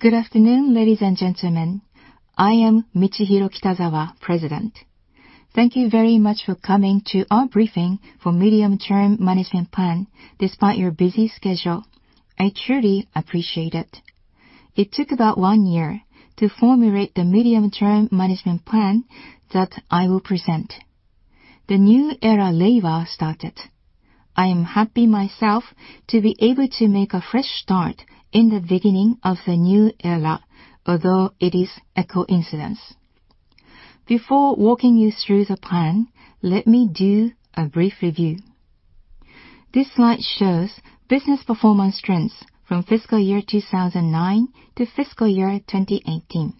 Good afternoon, ladies and gentlemen. I am Michihiro Kitazawa, President. Thank you very much for coming to our briefing for medium-term management plan despite your busy schedule. I truly appreciate it. It took about one year to formulate the medium-term management plan that I will present. The new era, Reiwa, started. I am happy myself to be able to make a fresh start in the beginning of the new era, although it is a coincidence. Before walking you through the plan, let me do a brief review. This slide shows business performance trends from fiscal year 2009-fiscal year 2018.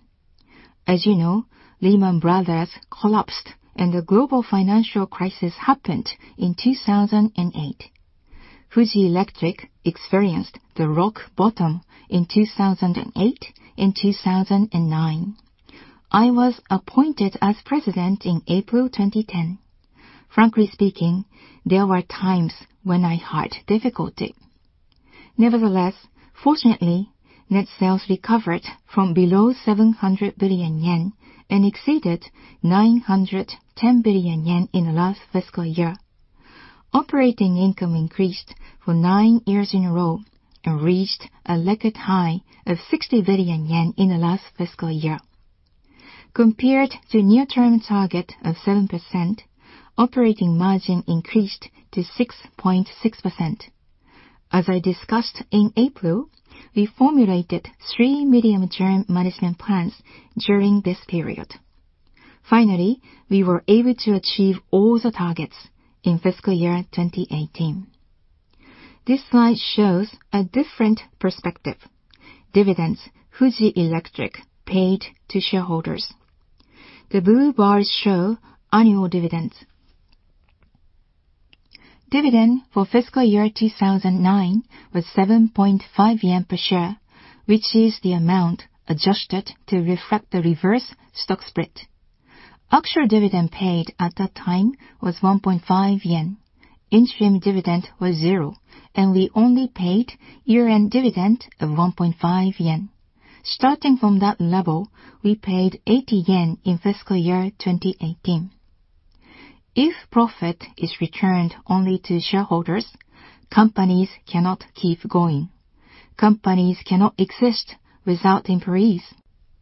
As you know, Lehman Brothers collapsed, and the global financial crisis happened in 2008. Fuji Electric experienced the rock bottom in 2008 and 2009. I was appointed as President in April 2010. Frankly speaking, there were times when I had difficulty. Fortunately, net sales recovered from below 700 billion yen and exceeded 910 billion yen in the last fiscal year. Operating income increased for nine years in a row and reached a record high of 60 billion yen in the last fiscal year. Compared to near-term target of 7%, operating margin increased to 6.6%. As I discussed in April, we formulated three medium-term management plans during this period. Finally, we were able to achieve all the targets in fiscal year 2018. This slide shows a different perspective. Dividends Fuji Electric paid to shareholders. The blue bars show annual dividends. Dividend for fiscal year 2009 was 7.5 yen per share, which is the amount adjusted to reflect the reverse stock split. Actual dividend paid at that time was 1.5 yen. Interim dividend was zero, and we only paid year-end dividend of 1.5 yen. Starting from that level, we paid 80 yen in fiscal year 2018. If profit is returned only to shareholders, companies cannot keep going. Companies cannot exist without employees.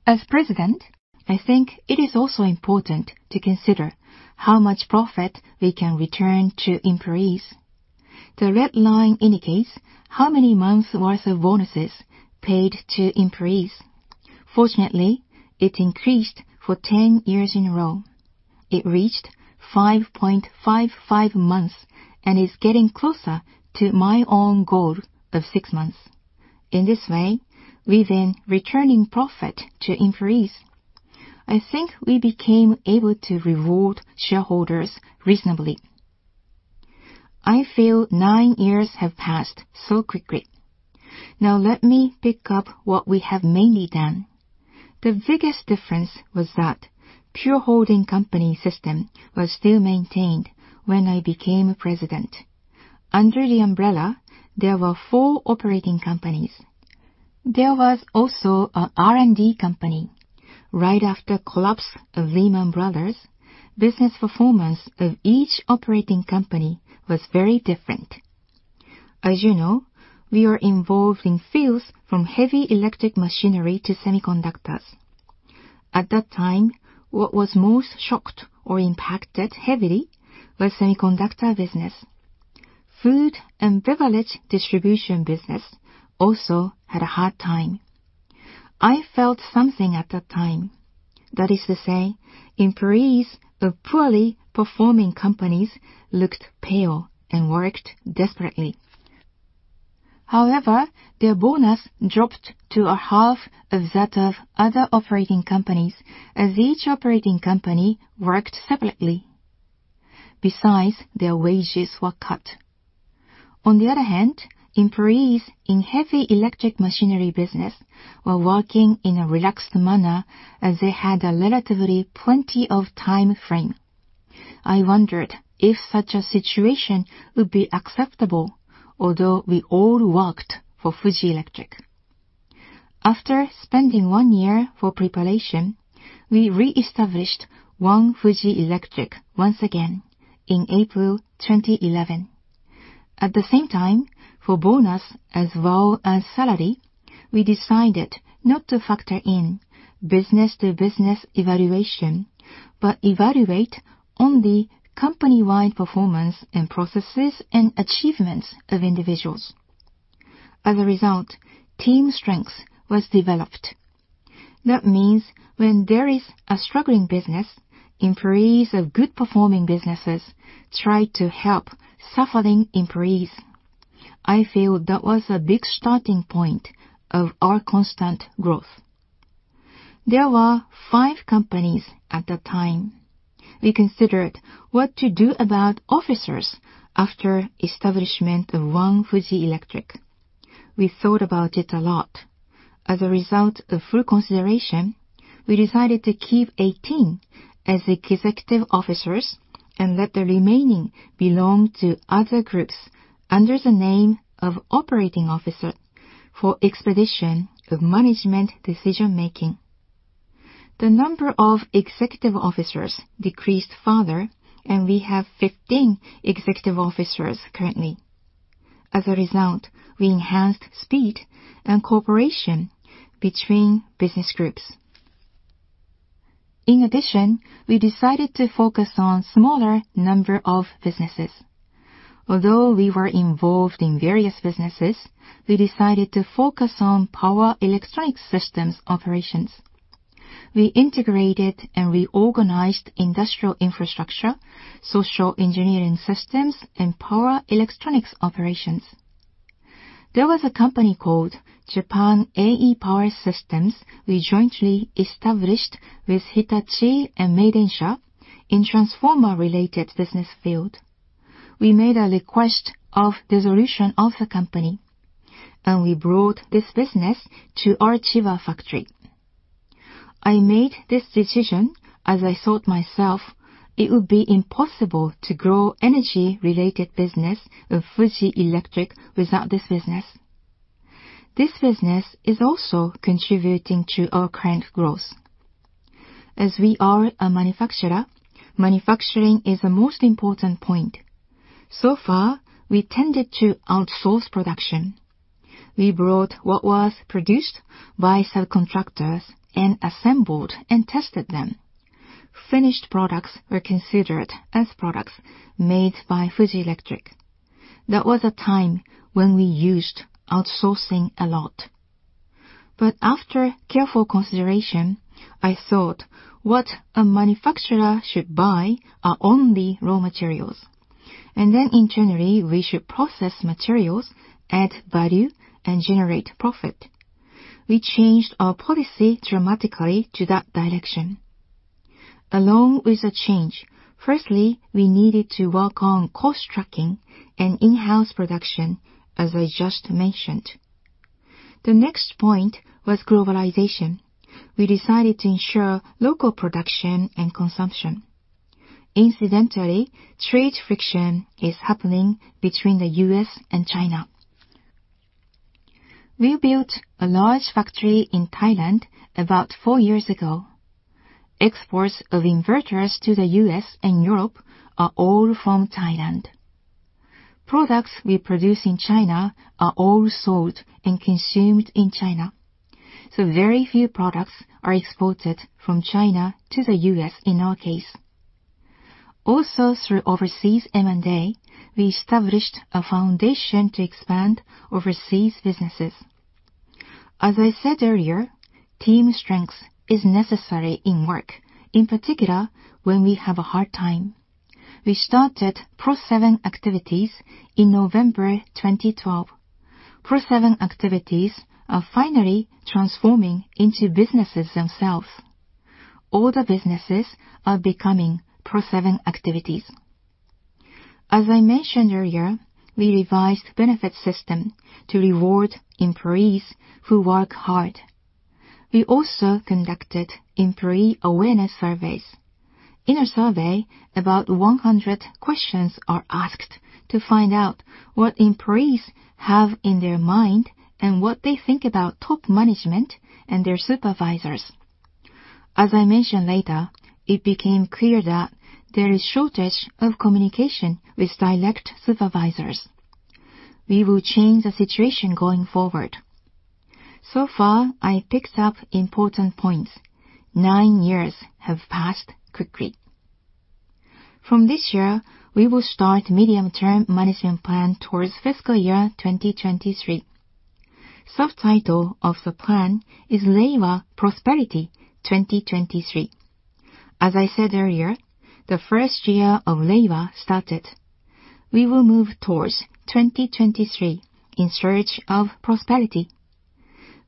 As president, I think it is also important to consider how much profit we can return to employees. The red line indicates how many months' worth of bonuses paid to employees. Fortunately, it increased for 10 years in a row. It reached 5.55 months and is getting closer to my own goal of six months. In this way, we've been returning profit to employees. I think we became able to reward shareholders reasonably. I feel nine years have passed so quickly. Let me pick up what we have mainly done. The biggest difference was that pure holding company system was still maintained when I became president. Under the umbrella, there were four operating companies. There was also an R&D company. Right after collapse of Lehman Brothers, business performance of each operating company was very different. As you know, we are involved in fields from heavy electric machinery to semiconductors. At that time, what was most shocked or impacted heavily was semiconductor business. Food and Beverage Distribution Business also had a hard time. I felt something at that time. That is to say, employees of poorly performing companies looked pale and worked desperately. Their bonus dropped to a half of that of other operating companies, as each operating company worked separately. Their wages were cut. Employees in heavy electric machinery business were working in a relaxed manner as they had a relatively plenty of time frame. I wondered if such a situation would be acceptable, although we all worked for Fuji Electric. After spending one year for preparation, we reestablished one Fuji Electric once again in April 2011. At the same time, for bonus as well as salary, we decided not to factor in business-to-business evaluation, but evaluate on the company-wide performance and processes and achievements of individuals. As a result, team strength was developed. That means when there is a struggling business, employees of good performing businesses try to help suffering employees. I feel that was a big starting point of our constant growth. There were five companies at that time. We considered what to do about officers after establishment of one Fuji Electric. We thought about it a lot. As a result of full consideration, we decided to keep 18 executive officers and let the remaining belong to other groups under the name of operating officer for expedition of management decision-making. The number of executive officers decreased further, and we have 15 executive officers currently. As a result, we enhanced speed and cooperation between business groups. In addition, we decided to focus on smaller number of businesses. Although we were involved in various businesses, we decided to focus on power electronic systems operations. We integrated and reorganized industrial infrastructure, social engineering systems, and power electronics operations. There was a company called Japan AE Power Systems we jointly established with Hitachi and Meidensha in transformer-related business field. We made a request of dissolution of the company, and we brought this business to our Chiba factory. I made this decision as I thought to myself it would be impossible to grow energy-related business of Fuji Electric without this business. This business is also contributing to our current growth. As we are a manufacturer, manufacturing is the most important point. Far, we tended to outsource production. We brought what was produced by subcontractors and assembled and tested them. Finished products were considered as products made by Fuji Electric. That was a time when we used outsourcing a lot. But after careful consideration, I thought what a manufacturer should buy are only raw materials, and then internally, we should process materials, add value, and generate profit. We changed our policy dramatically to that direction. Along with the change, firstly, we needed to work on cost tracking and in-house production, as I just mentioned. The next point was globalization. We decided to ensure local production and consumption. Incidentally, trade friction is happening between the U.S. and China. We built a large factory in Thailand about four years ago. Exports of inverters to the U.S. and Europe are all from Thailand. Products we produce in China are all sold and consumed in China. Very few products are exported from China to the U.S. in our case. Also, through overseas M&A, we established a foundation to expand overseas businesses. As I said earlier, team strength is necessary in work, in particular, when we have a hard time. We started Pro-7 Activities in November 2012. Pro-7 Activities are finally transforming into businesses themselves. All the businesses are becoming Pro-7 Activities. As I mentioned earlier, we revised benefit system to reward employees who work hard. We also conducted employee awareness surveys. In a survey, about 100 questions are asked to find out what employees have in their mind and what they think about top management and their supervisors. As I mention later, it became clear that there is shortage of communication with direct supervisors. We will change the situation going forward. So far, I picked up important points. Nine years have passed quickly. From this year, we will start Medium-Term Management Plan towards fiscal year 2023. Subtitle of the plan is Reiwa Prosperity 2023. As I said earlier, the first year of Reiwa started. We will move towards 2023 in search of prosperity.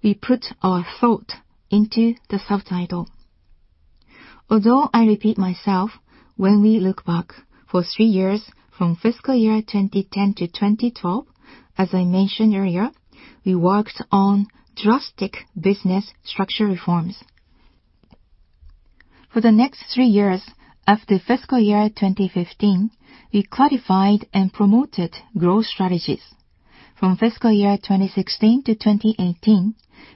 We put our thought into the subtitle. Although I repeat myself, when we look back for three years, from fiscal year 201-2012, as I mentioned earlier, we worked on drastic business structure reforms. For the next three years after fiscal year 2015, we clarified and promoted growth strategies. From fiscal year 2016-2018,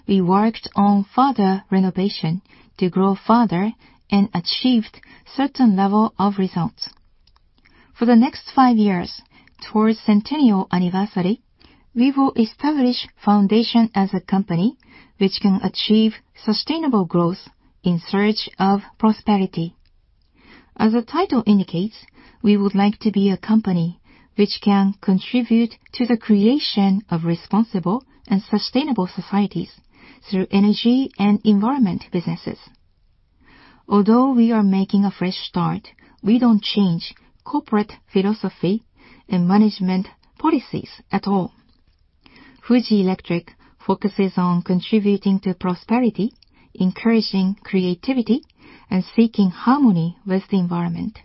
we worked on further renovation to grow further and achieved certain level of results. For the next five years towards centennial anniversary, we will establish foundation as a company which can achieve sustainable growth in search of prosperity. As the title indicates, we would like to be a company which can contribute to the creation of responsible and sustainable societies through energy and environment businesses. Although we are making a fresh start, we don't change corporate philosophy and management policies at all. Fuji Electric focuses on contributing to prosperity, encouraging creativity, and seeking harmony with the environment.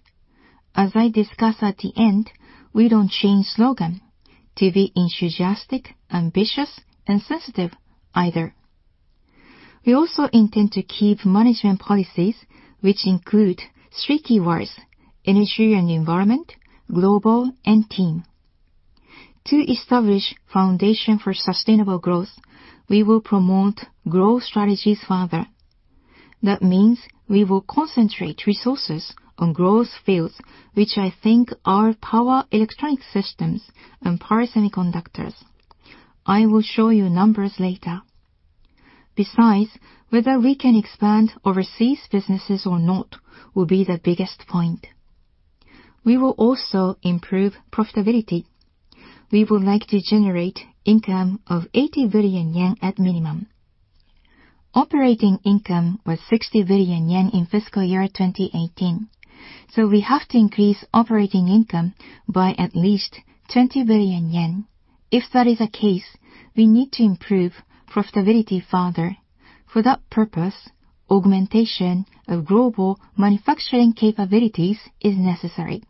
As I discuss at the end, we don't change slogan to be enthusiastic, ambitious, and sensitive either. We also intend to keep management policies which include three keywords, energy and environment, global, and team. To establish foundation for sustainable growth, we will promote growth strategies further. That means we will concentrate resources on growth fields, which I think are power electronic systems and power semiconductors. I will show you numbers later. Besides, whether we can expand overseas businesses or not will be the biggest point. We will also improve profitability. We would like to generate income of 80 billion yen at minimum. Operating income was 60 billion yen in fiscal year 2018. We have to increase operating income by at least 20 billion yen. If that is the case, we need to improve profitability further. For that purpose, augmentation of global manufacturing capabilities is necessary.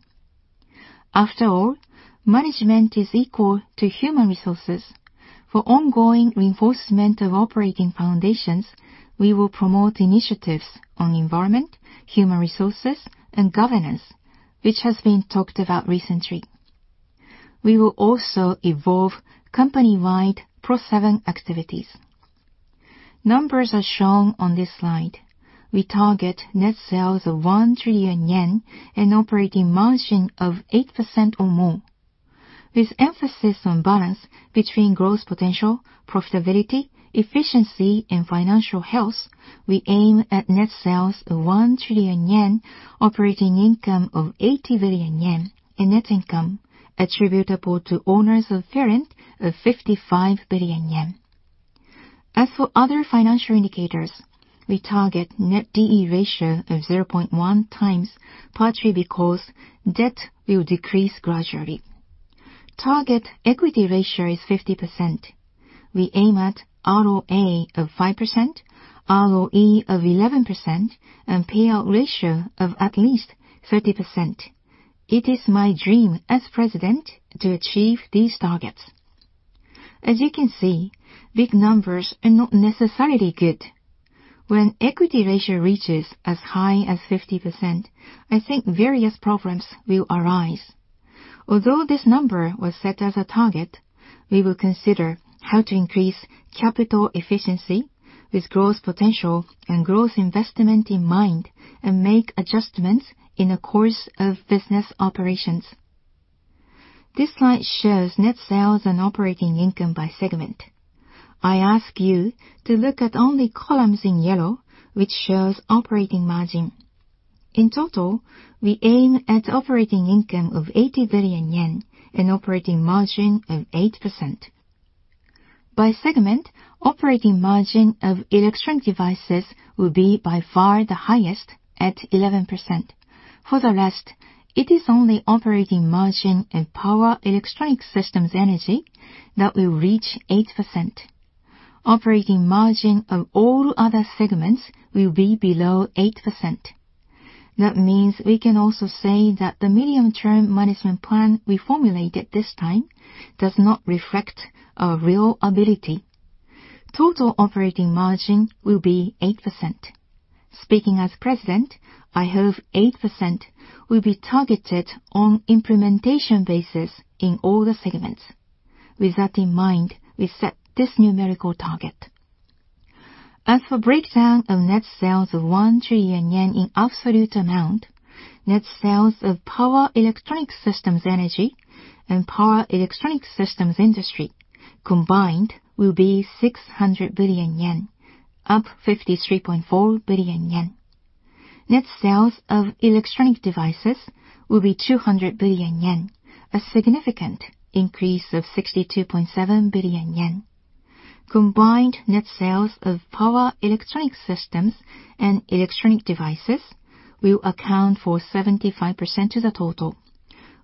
After all, management is equal to human resources. For ongoing reinforcement of operating foundations, we will promote initiatives on environment, human resources, and governance, which has been talked about recently. We will also evolve company-wide Pro-7 Activities. Numbers are shown on this slide. We target net sales of 1 trillion yen and operating margin of 8% or more. With emphasis on balance between growth potential, profitability, efficiency, and financial health, we aim at net sales of 1 trillion yen, operating income of 80 billion yen, and net income attributable to owners of parent of 55 billion yen. As for other financial indicators, we target net D/E ratio of 0.1x, partly because debt will decrease gradually. Target equity ratio is 50%. We aim at ROA of 5%, ROE of 11%, and payout ratio of at least 30%. It is my dream as president to achieve these targets. As you can see, big numbers are not necessarily good. When equity ratio reaches as high as 50%, I think various problems will arise. Although this number was set as a target, we will consider how to increase capital efficiency with growth potential and growth investment in mind and make adjustments in the course of business operations. This slide shows net sales and operating income by segment. I ask you to look at only columns in yellow, which shows operating margin. In total, we aim at operating income of 80 billion yen and operating margin of 8%. By segment, operating margin of Electronic Devices will be by far the highest at 11%. For the rest, it is only operating margin and Power Electronic Systems Energy that will reach 8%. Operating margin of all other segments will be below 8%. That means we can also say that the Medium-Term Management Plan we formulated this time does not reflect our real ability. Total operating margin will be 8%. Speaking as president, I hope 8% will be targeted on implementation basis in all the segments. With that in mind, we set this numerical target. As for breakdown of net sales of 1 trillion yen in absolute amount, net sales of Power Electronic Systems Energy and Power Electronic Systems Industry combined will be 600 billion yen, up 53.4 billion yen. Net sales of Electronic Devices will be 200 billion yen, a significant increase of 62.7 billion yen. Combined net sales of Power Electronic Systems and Electronic Devices will account for 75% of the total,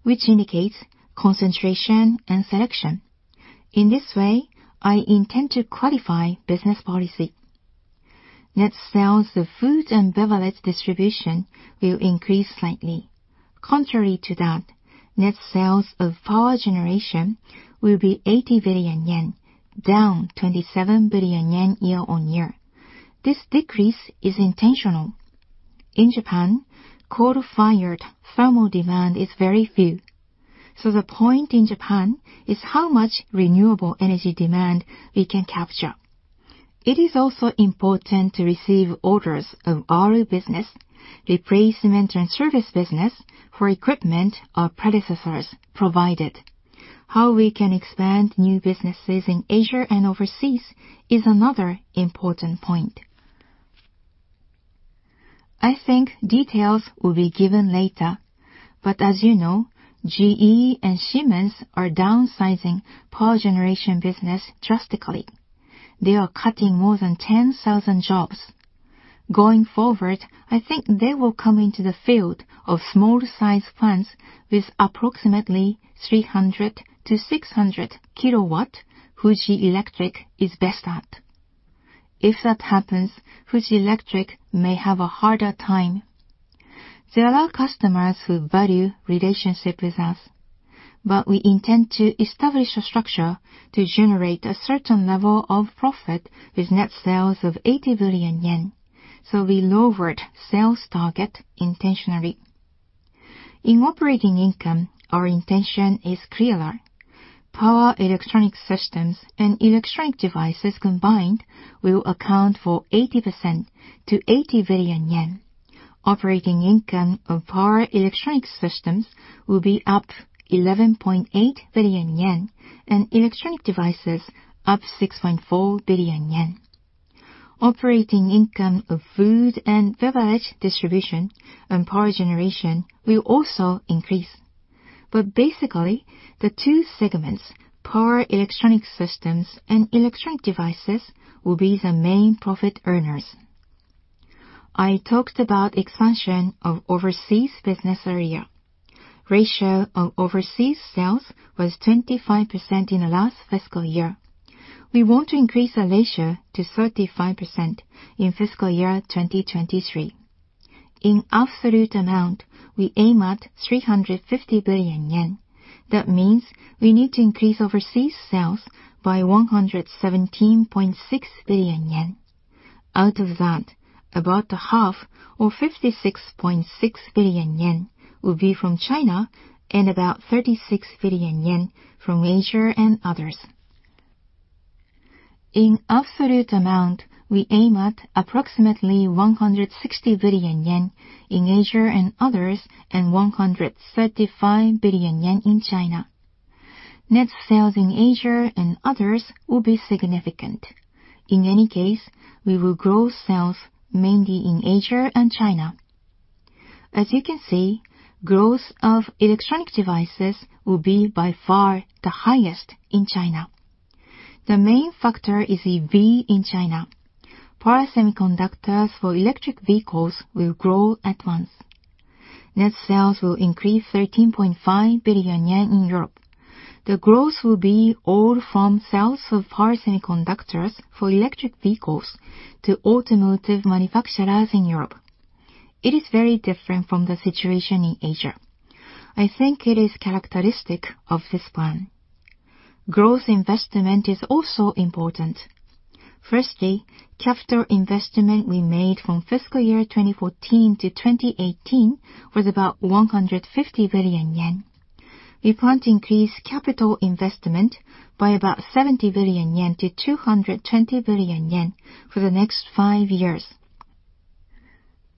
which indicates concentration and selection. In this way, I intend to qualify business policy. Net sales of Food and Beverage Distribution will increase slightly. Contrary to that, net sales of Power Generation will be 80 billion yen, down 27 billion yen year-on-year. This decrease is intentional. In Japan, coal-fired thermal demand is very few. The point in Japan is how much renewable energy demand we can capture. It is also important to receive orders of R business, replacement and service business for equipment our predecessors provided. How we can expand new businesses in Asia and overseas is another important point. I think details will be given later, but as you know, GE and Siemens are downsizing Power Generation business drastically. They are cutting more than 10,000 jobs. Going forward, I think they will come into the field of small size plants with approximately 300 kW-600 kW Fuji Electric is best at. If that happens, Fuji Electric may have a harder time. There are customers who value relationship with us, but we intend to establish a structure to generate a certain level of profit with net sales of 80 billion yen. We lowered sales target intentionally. In operating income, our intention is clearer. Power Electronic Systems and Electronic Devices combined will account for 80% to 80 billion yen. Operating income of Power Electronic Systems will be up 11.8 billion yen and Electronic Devices up 6.4 billion yen. Operating income of Food and Beverage Distribution and Power Generation will also increase. Basically, the two segments, Power Electronic Systems and Electronic Devices, will be the main profit earners. I talked about expansion of overseas business earlier. Ratio of overseas sales was 25% in the last fiscal year. We want to increase the ratio to 35% in fiscal year 2023. In absolute amount, we aim at 350 billion yen. That means we need to increase overseas sales by 117.6 billion yen. Out of that, about the half, or 56.6 billion yen, will be from China and about 36 billion yen from Asia and others. In absolute amount, we aim at approximately 160 billion yen in Asia and others, and 135 billion yen in China. Net sales in Asia and others will be significant. In any case, we will grow sales mainly in Asia and China. As you can see, growth of electronic devices will be by far the highest in China. The main factor is EV in China. Power semiconductors for electric vehicles will grow at once. Net sales will increase 13.5 billion yen in Europe. The growth will be all from sales of power semiconductors for electric vehicles to automotive manufacturers in Europe. It is very different from the situation in Asia. I think it is characteristic of this plan. Growth investment is also important. Capital investment we made from fiscal year 2014-2018 was about 150 billion yen. We plan to increase capital investment by about 70 billion-220 billion yen for the next five years.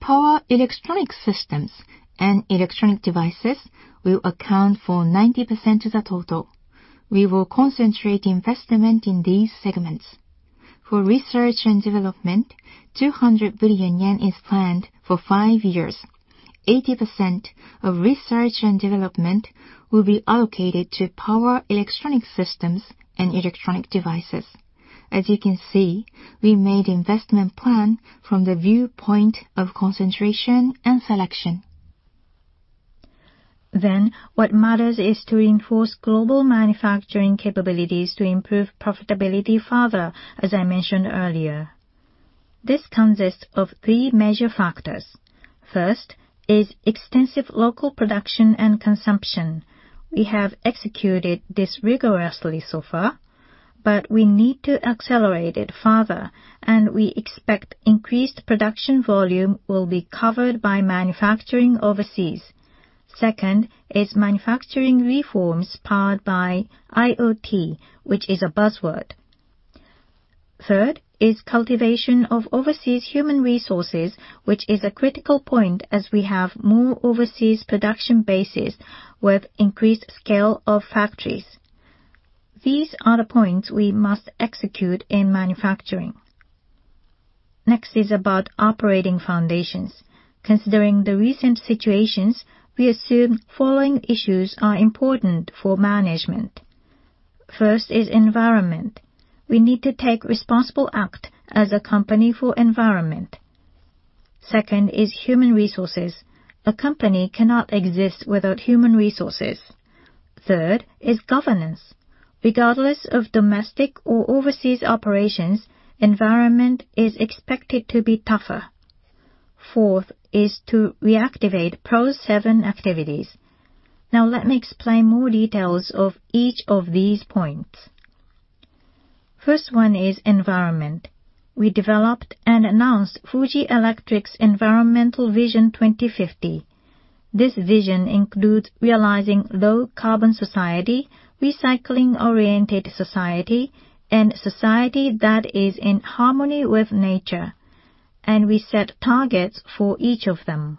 Power electronic systems and electronic devices will account for 90% of the total. We will concentrate investment in these segments. For research and development, 200 billion yen is planned for five years. 80% of research and development will be allocated to power electronic systems and electronic devices. As you can see, we made investment plan from the viewpoint of concentration and selection. What matters is to enforce global manufacturing capabilities to improve profitability further, as I mentioned earlier. This consists of three major factors. First is extensive local production and consumption. We have executed this rigorously so far, but we need to accelerate it further, and we expect increased production volume will be covered by manufacturing overseas. Second is manufacturing reforms powered by IoT, which is a buzzword. Third is cultivation of overseas human resources, which is a critical point as we have more overseas production bases with increased scale of factories. These are the points we must execute in manufacturing. Next is about operating foundations. Considering the recent situations, we assume following issues are important for management. First is environment. We need to take responsible act as a company for environment. Second is human resources. A company cannot exist without human resources. Third is governance. Regardless of domestic or overseas operations, environment is expected to be tougher. Fourth is to reactivate Pro-7 Activities. Let me explain more details of each of these points. First one is environment. We developed and announced Fuji Electric's Environmental Vision 2050. This vision includes realizing low carbon society, recycling-oriented society, and society that is in harmony with nature, and we set targets for each of them.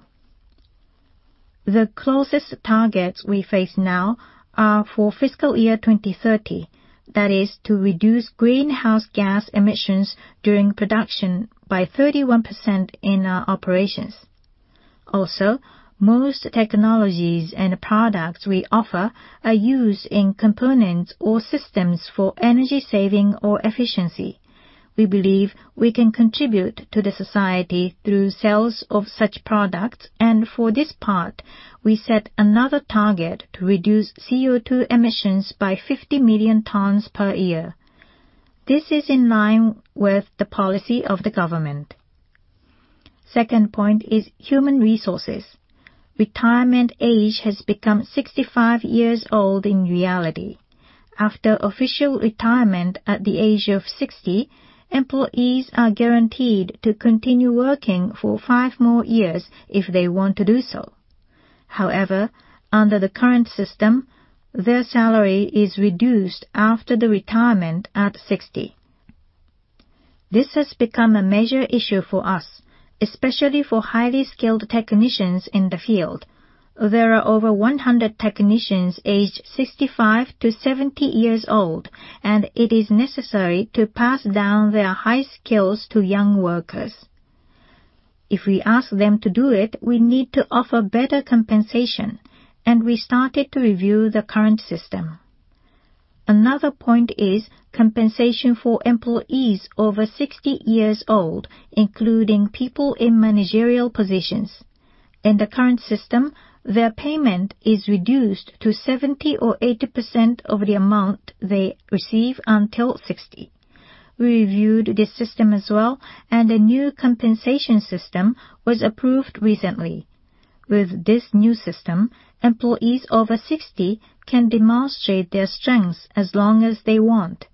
The closest targets we face now are for fiscal year 2030. That is to reduce greenhouse gas emissions during production by 31% in our operations. Most technologies and products we offer are used in components or systems for energy saving or efficiency. We believe we can contribute to the society through sales of such products, and for this part, we set another target to reduce CO2 emissions by 50 million tons per year. This is in line with the policy of the government. Second point is human resources. Retirement age has become 65 years old in reality. After official retirement at the age of 60, employees are guaranteed to continue working for five more years if they want to do so. However, under the current system, their salary is reduced after the retirement at 60. This has become a major issue for us, especially for highly skilled technicians in the field. There are over 100 technicians aged 65-70 years old, and it is necessary to pass down their high skills to young workers. If we ask them to do it, we need to offer better compensation, and we started to review the current system. Another point is compensation for employees over 60 years old, including people in managerial positions. In the current system, their payment is reduced to 70% or 80% of the amount they receive until 60. We reviewed this system as well. A new compensation system was approved recently. With this new system, employees over 60 can demonstrate their strengths as long as they want.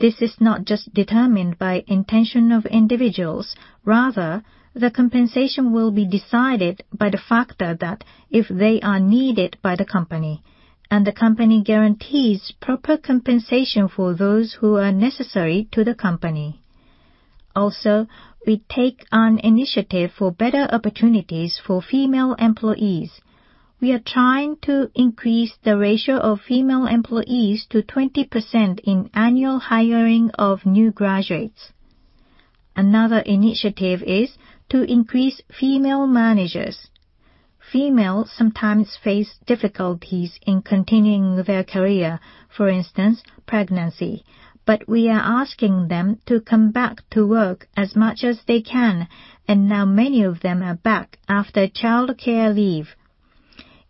This is not just determined by intention of individuals, rather, the compensation will be decided by the factor that if they are needed by the company, and the company guarantees proper compensation for those who are necessary to the company. We take on initiative for better opportunities for female employees. We are trying to increase the ratio of female employees to 20% in annual hiring of new graduates. Another initiative is to increase female managers. Females sometimes face difficulties in continuing their career. For instance, pregnancy. We are asking them to come back to work as much as they can, and now many of them are back after childcare leave.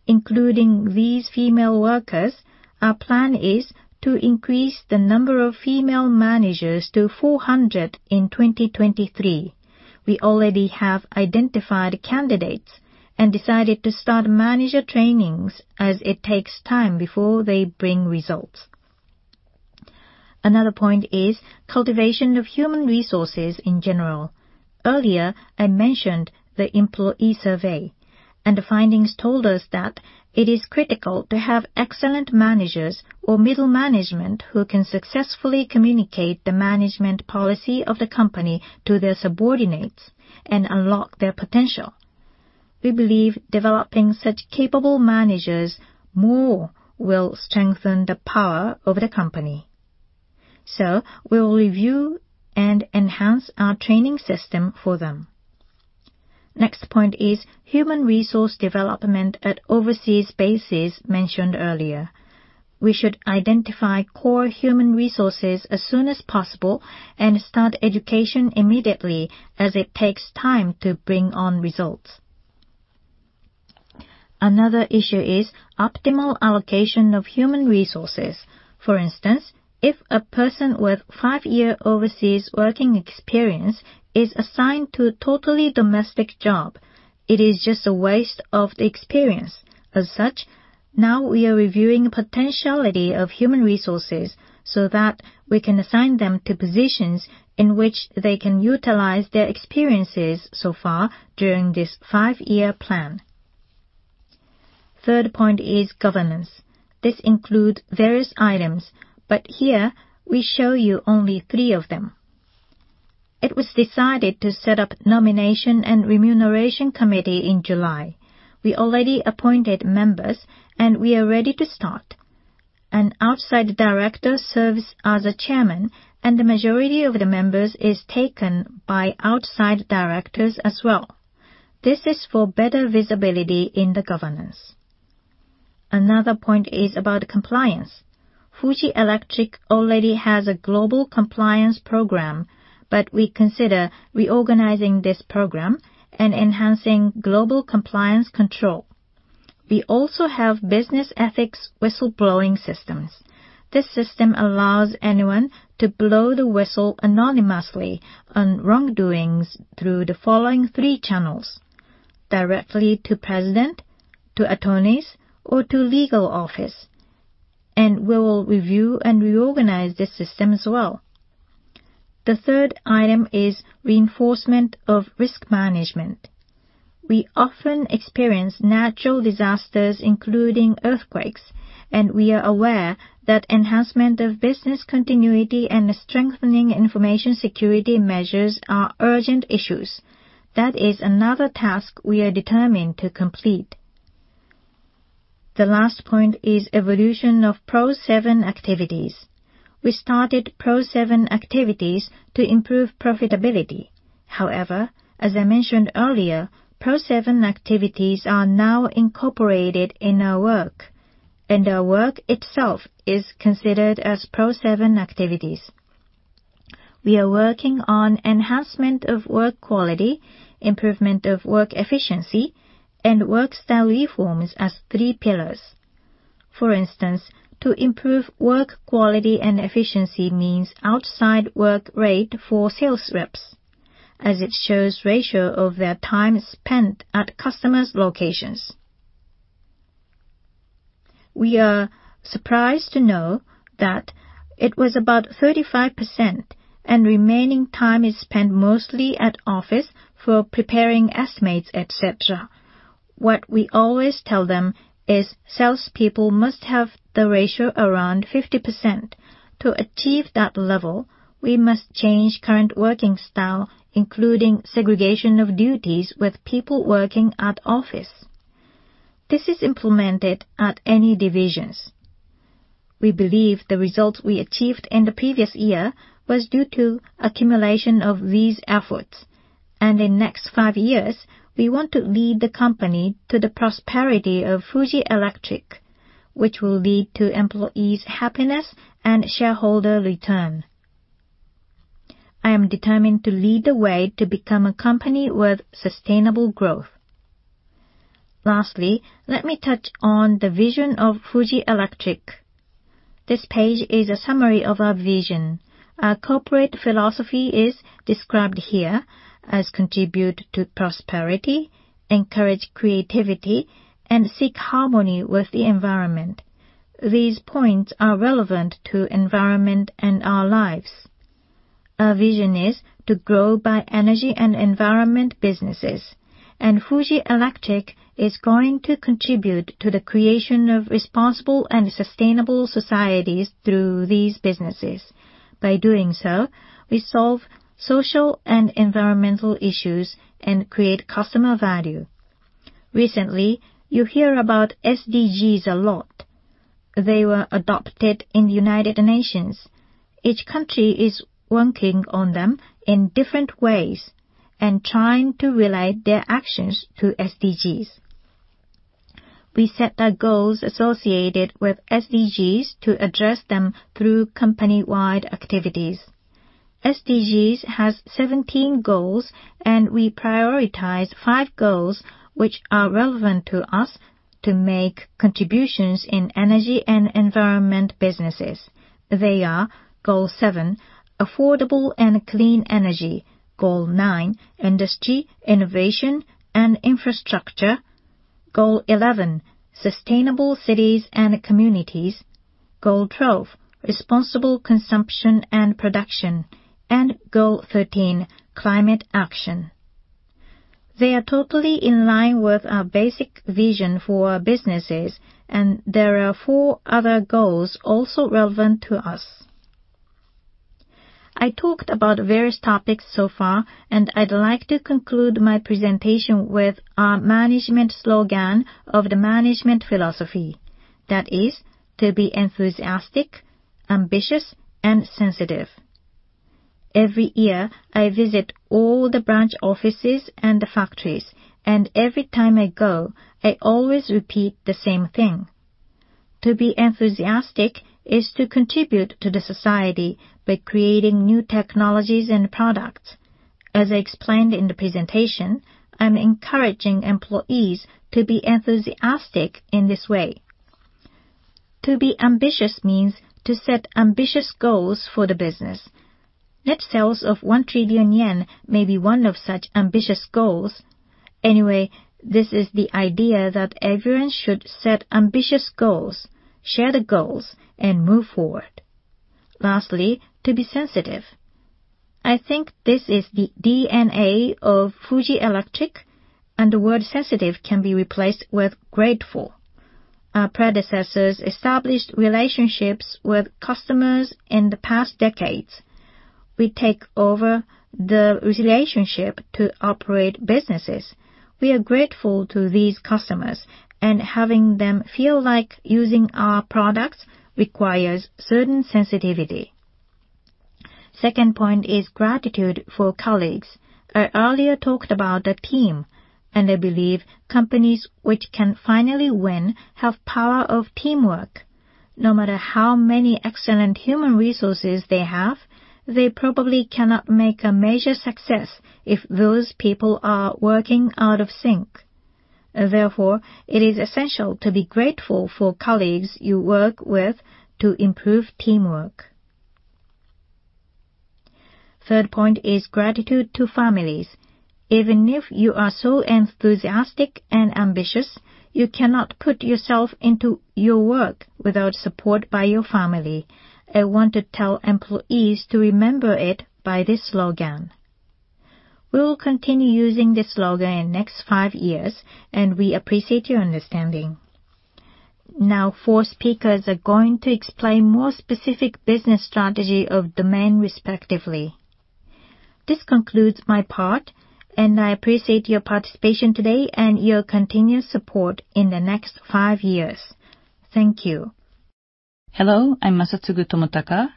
Including these female workers, our plan is to increase the number of female managers to 400 in 2023. We already have identified candidates and decided to start manager trainings as it takes time before they bring results. Another point is cultivation of human resources in general. Earlier, I mentioned the employee survey. The findings told us that it is critical to have excellent managers or middle management who can successfully communicate the management policy of the company to their subordinates and unlock their potential. We believe developing such capable managers more will strengthen the power of the company. We will review and enhance our training system for them. Next point is human resource development at overseas bases mentioned earlier. We should identify core human resources as soon as possible and start education immediately as it takes time to bring on results. Another issue is optimal allocation of human resources. For instance, if a person with five-year overseas working experience is assigned to a totally domestic job, it is just a waste of the experience. As such, now we are reviewing potentiality of human resources so that we can assign them to positions in which they can utilize their experiences so far during this five-year plan. Third point is governance. This includes various items, but here we show you only three of them. It was decided to set up nomination and remuneration committee in July. We already appointed members. We are ready to start. An outside director serves as a chairman. The majority of the members is taken by outside directors as well. This is for better visibility in the governance. Another point is about compliance. Fuji Electric already has a global compliance program. We consider reorganizing this program and enhancing global compliance control. We also have business ethics whistleblowing systems. This system allows anyone to blow the whistle anonymously on wrongdoings through the following three channels: directly to president, to attorneys, or to legal office. We will review and reorganize this system as well. The third item is reinforcement of risk management. We often experience natural disasters, including earthquakes, and we are aware that enhancement of business continuity and strengthening information security measures are urgent issues. That is another task we are determined to complete. The last point is evolution of Pro-7 Activities. We started Pro-7 Activities to improve profitability. As I mentioned earlier, Pro-7 Activities are now incorporated in our work, and our work itself is considered as Pro-7 Activities. We are working on enhancement of work quality, improvement of work efficiency, and work style reforms as three pillars. For instance, to improve work quality and efficiency means outside work rate for sales reps, as it shows ratio of their time spent at customers' locations. We are surprised to know that it was about 35%, and remaining time is spent mostly at office for preparing estimates, et cetera. What we always tell them is salespeople must have the ratio around 50%. To achieve that level, we must change current working style, including segregation of duties with people working at office. This is implemented at any divisions. We believe the results we achieved in the previous year was due to accumulation of these efforts. In next five years, we want to lead the company to the prosperity of Fuji Electric, which will lead to employees' happiness and shareholder return. I am determined to lead the way to become a company with sustainable growth. Lastly, let me touch on the vision of Fuji Electric. This page is a summary of our vision. Our corporate philosophy is described here as contribute to prosperity, encourage creativity, and seek harmony with the environment. These points are relevant to environment and our lives. Our vision is to grow by energy and environment businesses, and Fuji Electric is going to contribute to the creation of responsible and sustainable societies through these businesses. By doing so, we solve social and environmental issues and create customer value. Recently, you hear about SDGs a lot. They were adopted in United Nations. Each country is working on them in different ways and trying to relate their actions to SDGs. We set our goals associated with SDGs to address them through company-wide activities. SDGs has 17 goals. We prioritize five goals which are relevant to us to make contributions in energy and environment businesses. They are Goal 7, affordable and clean energy; Goal 9, industry, innovation, and infrastructure; Goal 11, sustainable cities and communities; Goal 12, responsible consumption and production; and Goal 13, climate action. They are totally in line with our basic vision for our businesses. There are four other goals also relevant to us. I talked about various topics so far. I'd like to conclude my presentation with our management slogan of the management philosophy. That is to be enthusiastic, ambitious, and sensitive. Every year, I visit all the branch offices and the factories, and every time I go, I always repeat the same thing. To be enthusiastic is to contribute to the society by creating new technologies and products. As I explained in the presentation, I'm encouraging employees to be enthusiastic in this way. To be ambitious means to set ambitious goals for the business. Net sales of 1 trillion yen may be one of such ambitious goals. Anyway, this is the idea that everyone should set ambitious goals, share the goals, and move forward. Lastly, to be sensitive. I think this is the DNA of Fuji Electric, and the word sensitive can be replaced with grateful. Our predecessors established relationships with customers in the past decades. We take over the relationship to operate businesses. We are grateful to these customers, and having them feel like using our products requires certain sensitivity. Second point is gratitude for colleagues. I earlier talked about the team, and I believe companies which can finally win have power of teamwork. No matter how many excellent human resources they have, they probably cannot make a major success if those people are working out of sync. Therefore, it is essential to be grateful for colleagues you work with to improve teamwork. Third point is gratitude to families. Even if you are so enthusiastic and ambitious, you cannot put yourself into your work without support by your family. I want to tell employees to remember it by this slogan. We will continue using this slogan in next five years, and we appreciate your understanding. Now, four speakers are going to explain more specific business strategy of domain respectively. This concludes my part, and I appreciate your participation today and your continued support in the next five years. Thank you. Hello, I'm Masatsugu Tomotaka.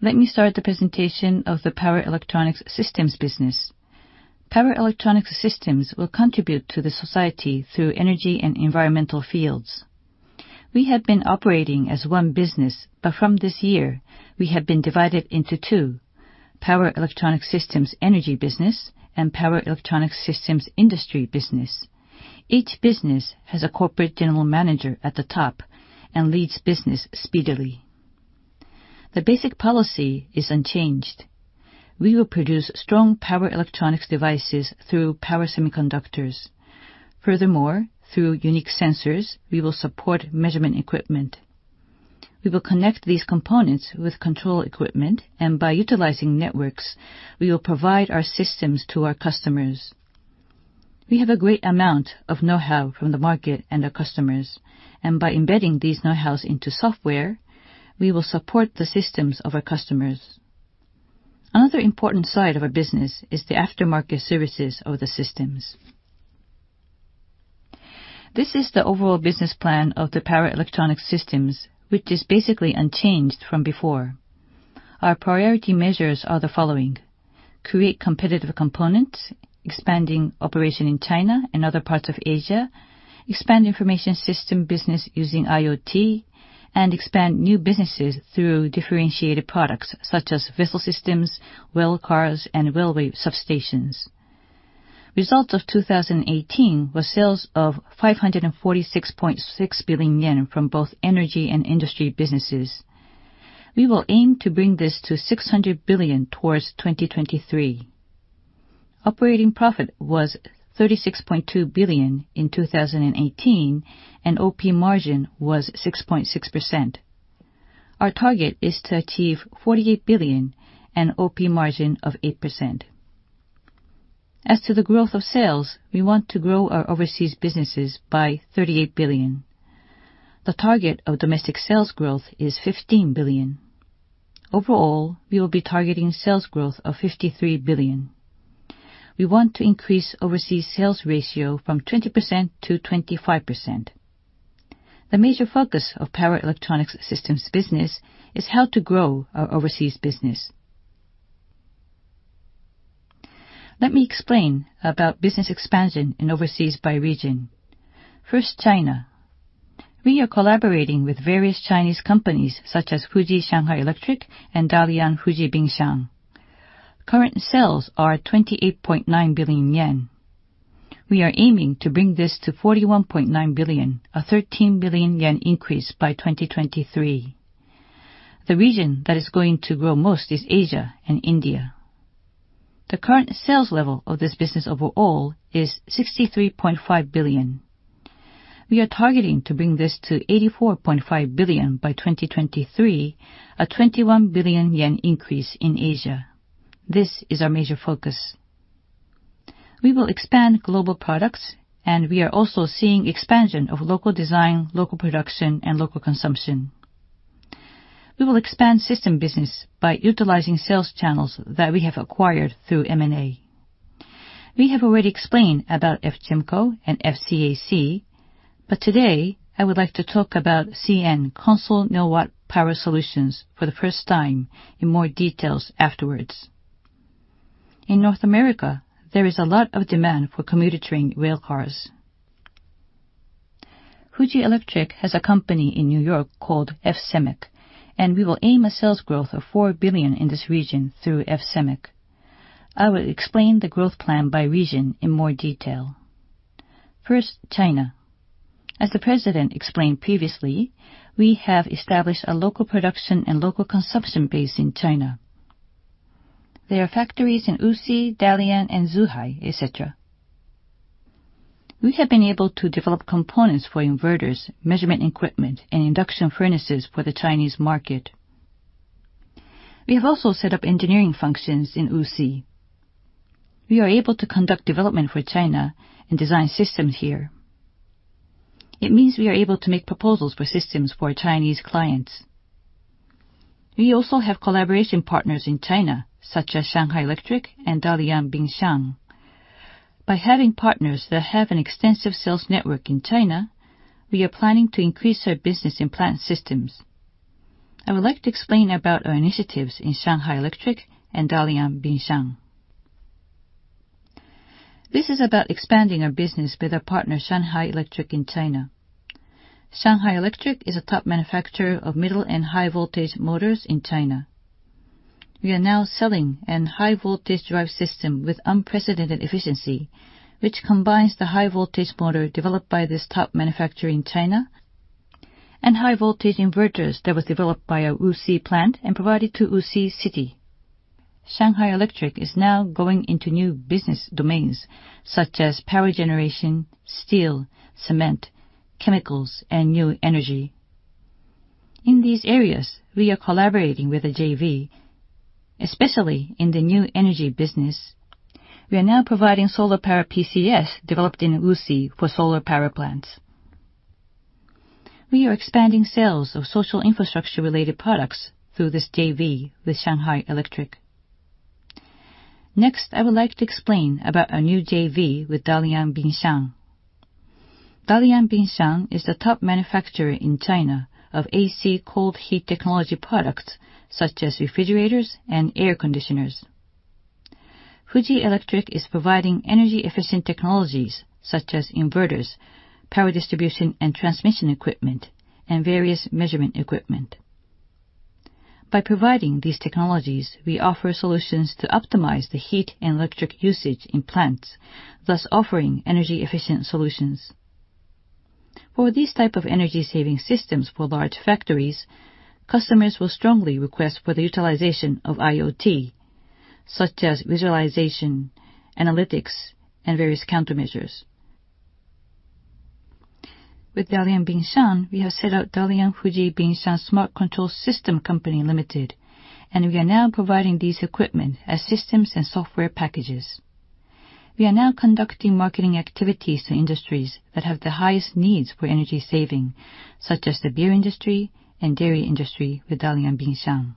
Let me start the presentation of the Power Electronics Systems Business. Power electronics systems will contribute to the society through energy and environmental fields. We have been operating as one business, but from this year, we have been divided into two, Power Electronic Systems Energy Business and Power Electronic Systems Industry Business. Each business has a Corporate General Manager at the top and leads business speedily. The basic policy is unchanged. We will produce strong power electronics devices through power semiconductors. Furthermore, through unique sensors, we will support measurement equipment. We will connect these components with control equipment, and by utilizing networks, we will provide our systems to our customers. We have a great amount of know-how from the market and our customers, and by embedding these know-hows into software, we will support the systems of our customers. Another important side of our business is the aftermarket services of the systems. This is the overall business plan of the Power Electronic Systems, which is basically unchanged from before. Our priority measures are the following: create competitive components, expanding operation in China and other parts of Asia, expand information system business using IoT, and expand new businesses through differentiated products, such as vessel systems, railcars, and railway substations. Results of 2018 were sales of 546.6 billion yen from both energy and industry businesses. We will aim to bring this to 600 billion towards 2023. Operating profit was 36.2 billion in 2018, and OP margin was 6.6%. Our target is to achieve 48 billion and OP margin of 8%. As to the growth of sales, we want to grow our overseas businesses by 38 billion. The target of domestic sales growth is 15 billion. Overall, we will be targeting sales growth of 53 billion. We want to increase overseas sales ratio from 20%-25%. The major focus of power electronics systems business is how to grow our overseas business. Let me explain about business expansion in overseas by region. First, China. We are collaborating with various Chinese companies such as Fuji Shanghai Electric and Dalian Fuji Bingshan. Current sales are 28.9 billion yen. We are aiming to bring this to 41.9 billion, a 13 billion yen increase by 2023. The region that is going to grow most is Asia and India. The current sales level of this business overall is 63.5 billion. We are targeting to bring this to 84.5 billion by 2023, a 21 billion yen increase in Asia. This is our major focus. We will expand global products. We are also seeing expansion of local design, local production, and local consumption. We will expand system business by utilizing sales channels that we have acquired through M&A. We have already explained about Ftemco and FCAC. Today, I would like to talk about CN, Consul Neowatt Power Solutions, for the first time in more details afterwards. In North America, there is a lot of demand for commuter train railcars. Fuji Electric has a company in New York called Fuji SEMEC, and we will aim a sales growth of 4 billion in this region through Fuji SEMEC. I will explain the growth plan by region in more detail. First, China. As the president explained previously, we have established a local production and local consumption base in China. There are factories in Wuxi, Dalian, and Zhuhai, et cetera. We have been able to develop components for inverters, measurement equipment, and induction furnaces for the Chinese market. We have also set up engineering functions in Wuxi. We are able to conduct development for China and design systems here. It means we are able to make proposals for systems for Chinese clients. We also have collaboration partners in China, such as Shanghai Electric and Dalian Bingshan. By having partners that have an extensive sales network in China, we are planning to increase our business in plant systems. I would like to explain about our initiatives in Shanghai Electric and Dalian Bingshan. This is about expanding our business with our partner Shanghai Electric in China. Shanghai Electric is a top manufacturer of middle and high voltage motors in China. We are now selling an high voltage drive system with unprecedented efficiency, which combines the high voltage motor developed by this top manufacturer in China and high voltage inverters that was developed by our Wuxi plant and provided to Wuxi City. Shanghai Electric is now going into new business domains such as power generation, steel, cement, chemicals, and new energy. In these areas, we are collaborating with a JV, especially in the new energy business. We are now providing solar power PCS developed in Wuxi for solar power plants. We are expanding sales of social infrastructure-related products through this JV with Shanghai Electric. I would like to explain about our new JV with Dalian Bingshan. Dalian Bingshan is the top manufacturer in China of AC cold heat technology products such as refrigerators and air conditioners. Fuji Electric is providing energy-efficient technologies such as inverters, power distribution and transmission equipment, and various measurement equipment. By providing these technologies, we offer solutions to optimize the heat and electric usage in plants, thus offering energy-efficient solutions. For these type of energy-saving systems for large factories, customers will strongly request for the utilization of IoT, such as visualization, analytics, and various countermeasures. With Dalian Bingshan, we have set out Dalian Fuji Bingshan Smart Control Systems Co., Ltd., and we are now providing these equipment as systems and software packages. We are now conducting marketing activities to industries that have the highest needs for energy saving, such as the beer industry and dairy industry with Dalian Bingshan.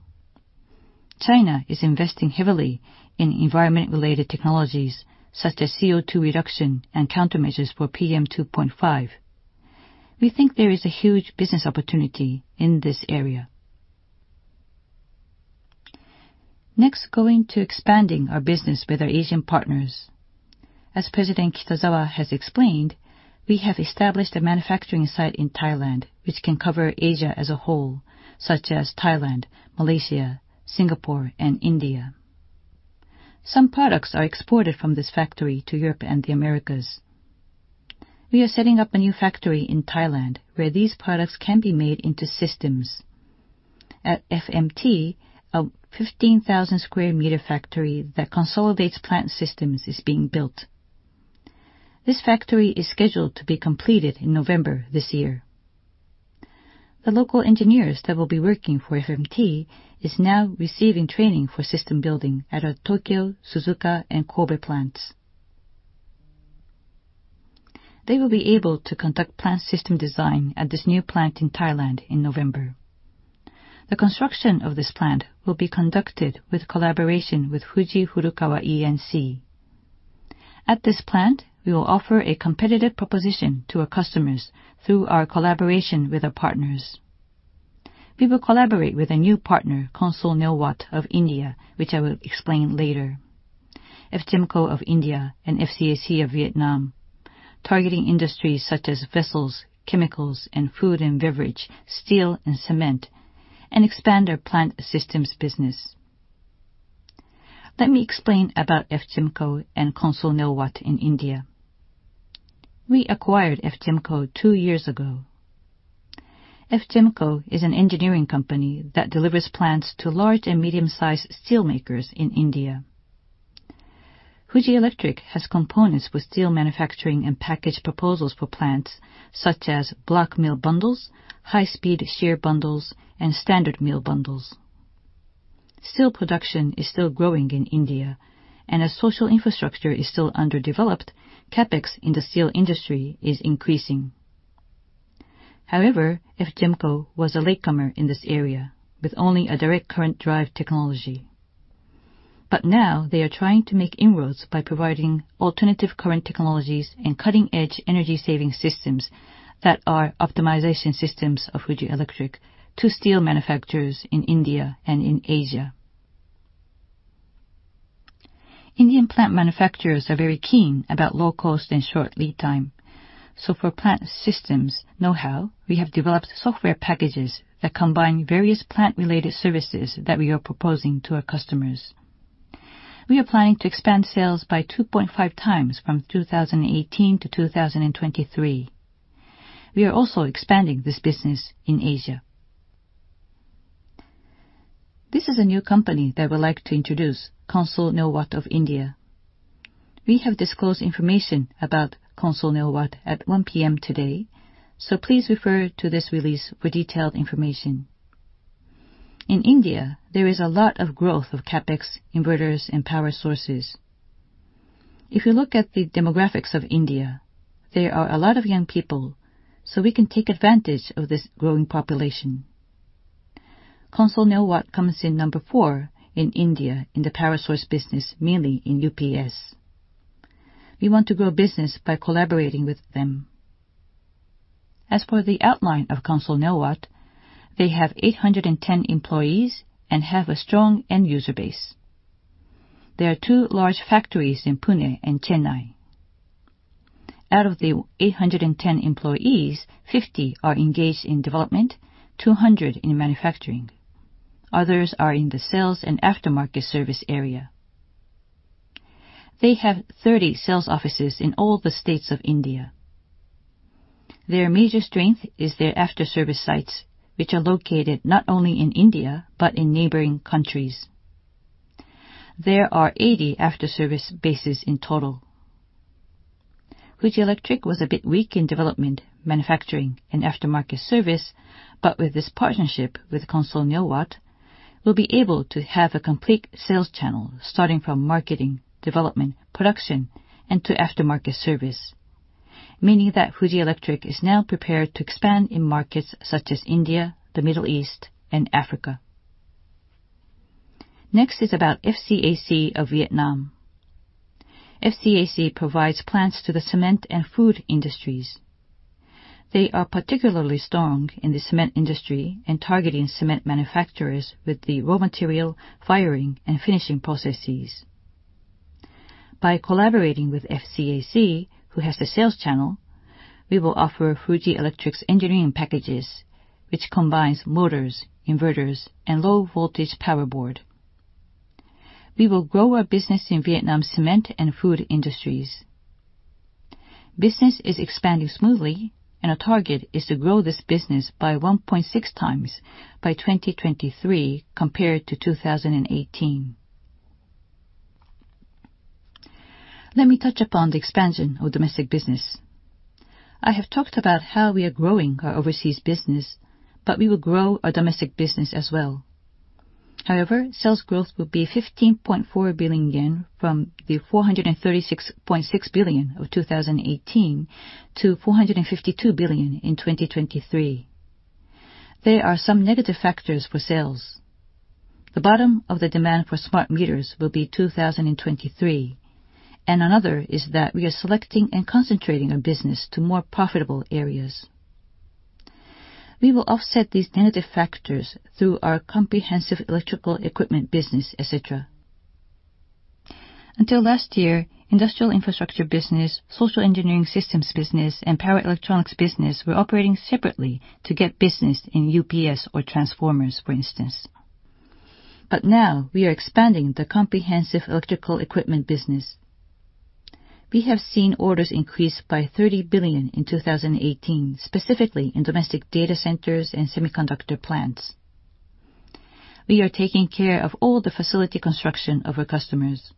China is investing heavily in environment-related technologies such as CO2 reduction and countermeasures for PM2.5. We think there is a huge business opportunity in this area. Next, we are going to expanding our business with our Asian partners. As President Kitazawa has explained, we have established a manufacturing site in Thailand, which can cover Asia as a whole, such as Thailand, Malaysia, Singapore, and India. Some products are exported from this factory to Europe and the Americas. We are setting up a new factory in Thailand where these products can be made into systems. At FMT, a 15,000 square meter factory that consolidates plant systems is being built. This factory is scheduled to be completed in November this year. The local engineers that will be working for FMT is now receiving training for system building at our Tokyo, Suzuka, and Kobe plants. They will be able to conduct plant system design at this new plant in Thailand in November. The construction of this plant will be conducted with collaboration with Furukawa Electric Co., Ltd. At this plant, we will offer a competitive proposition to our customers through our collaboration with our partners. We will collaborate with a new partner, Consul Neowatt of India, which I will explain later. Ftemco of India and FCAC of Vietnam, targeting industries such as vessels, chemicals, and food and beverage, steel and cement, and expand our plant systems business. Let me explain about Ftemco and Consul Neowatt in India. We acquired Ftemco two years ago. Ftemco is an engineering company that delivers plants to large and medium-sized steel makers in India. Fuji Electric has components with steel manufacturing and package proposals for plants such as block mill bundles, high-speed shear bundles, and standard mill bundles. Steel production is still growing in India, and as social infrastructure is still underdeveloped, CapEx in the steel industry is increasing. Ftemco was a latecomer in this area with only a direct current drive technology. Now they are trying to make inroads by providing alternating current technologies and cutting-edge energy-saving systems that are optimization systems of Fuji Electric to steel manufacturers in India and in Asia. Indian plant manufacturers are very keen about low cost and short lead time. For plant systems know-how, we have developed software packages that combine various plant-related services that we are proposing to our customers. We are planning to expand sales by 2.5x from 2018-2023. We are also expanding this business in Asia. This is a new company that I would like to introduce, Consul Neowatt of India. We have disclosed information about Consul Neowatt at 1:00 P.M. today, so please refer to this release for detailed information. In India, there is a lot of growth of CapEx, inverters, and power sources. If you look at the demographics of India, there are a lot of young people, so we can take advantage of this growing population. Consul Neowatt comes in number four in India in the power source business, mainly in UPS. We want to grow business by collaborating with them. As for the outline of Consul Neowatt, they have 810 employees and have a strong end user base. There are two large factories in Pune and Chennai. Out of the 810 employees, 50 are engaged in development, 200 in manufacturing. Others are in the sales and aftermarket service area. They have 30 sales offices in all the states of India. Their major strength is their after-service sites, which are located not only in India but in neighboring countries. There are 80 after-service bases in total. Fuji Electric was a bit weak in development, manufacturing, and aftermarket service, but with this partnership with Consul Neowatt, we'll be able to have a complete sales channel starting from marketing, development, production, and to aftermarket service. Meaning that Fuji Electric is now prepared to expand in markets such as India, the Middle East, and Africa. Next is about FCAC of Vietnam. FCAC provides plants to the cement and food industries. They are particularly strong in the cement industry and targeting cement manufacturers with the raw material, firing, and finishing processes. By collaborating with FCAC, who has the sales channel, we will offer Fuji Electric's engineering packages, which combines motors, inverters, and low-voltage power board. We will grow our business in Vietnam's cement and food industries. Business is expanding smoothly, and our target is to grow this business by 1.6x by 2023 compared to 2018. Let me touch upon the expansion of domestic business. I have talked about how we are growing our overseas business, but we will grow our domestic business as well. Sales growth will be 15.4 billion yen from the 436.6 billion of 2018-JPY 452 billion in 2023. There are some negative factors for sales. The bottom of the demand for smart meters will be 2023, and another is that we are selecting and concentrating our business to more profitable areas. We will offset these negative factors through our comprehensive electrical equipment business, et cetera. Until last year, industrial infrastructure business, social engineering systems business, and power electronics business were operating separately to get business in UPS or transformers, for instance. Now we are expanding the comprehensive electrical equipment business. We have seen orders increase by 30 billion in 2018, specifically in domestic data centers and semiconductor plants. We are taking care of all the facility construction of our customers.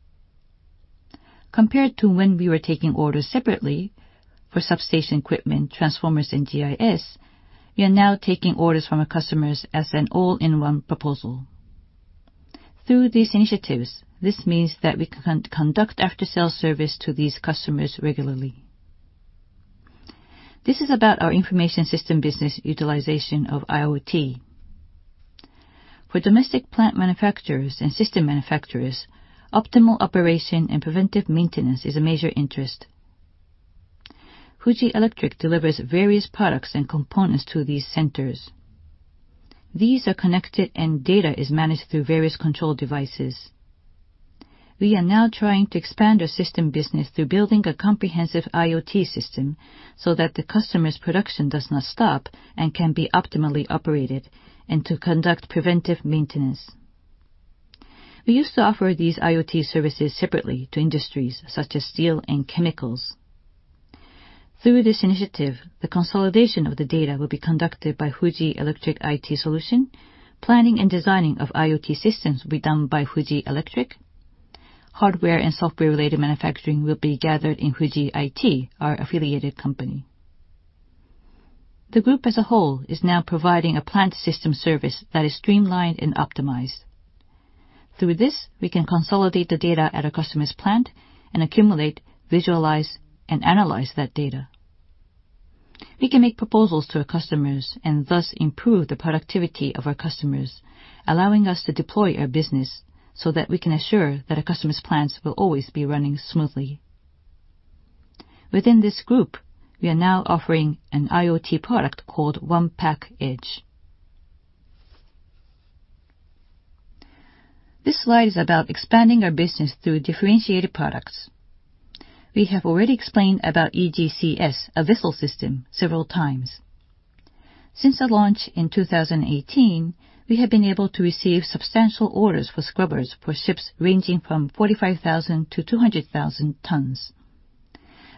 Compared to when we were taking orders separately for substation equipment, transformers, and GIS, we are now taking orders from our customers as an all-in-one proposal. Through these initiatives, this means that we can conduct after-sales service to these customers regularly. This is about our information system business utilization of IoT. For domestic plant manufacturers and system manufacturers, optimal operation and preventive maintenance is a major interest. Fuji Electric delivers various products and components to these centers. These are connected, and data is managed through various control devices. We are now trying to expand our system business through building a comprehensive IoT system so that the customer's production does not stop and can be optimally operated, and to conduct preventive maintenance. We used to offer these IoT services separately to industries such as steel and chemicals. Through this initiative, the consolidation of the data will be conducted by Fuji Electric IT Solutions. Planning and designing of IoT systems will be done by Fuji Electric. Hardware and software-related manufacturing will be gathered in Fuji IT, our affiliated company. The group as a whole is now providing a plant system service that is streamlined and optimized. Through this, we can consolidate the data at a customer's plant and accumulate, visualize, and analyze that data. We can make proposals to our customers and thus improve the productivity of our customers, allowing us to deploy our business so that we can assure that our customers' plants will always be running smoothly. Within this group, we are now offering an IoT product called iPAC-Edge. This slide is about expanding our business through differentiated products. We have already explained about EGCS, a vessel system, several times. Since the launch in 2018, we have been able to receive substantial orders for scrubbers for ships ranging from 45,000 tons-200,000 tons.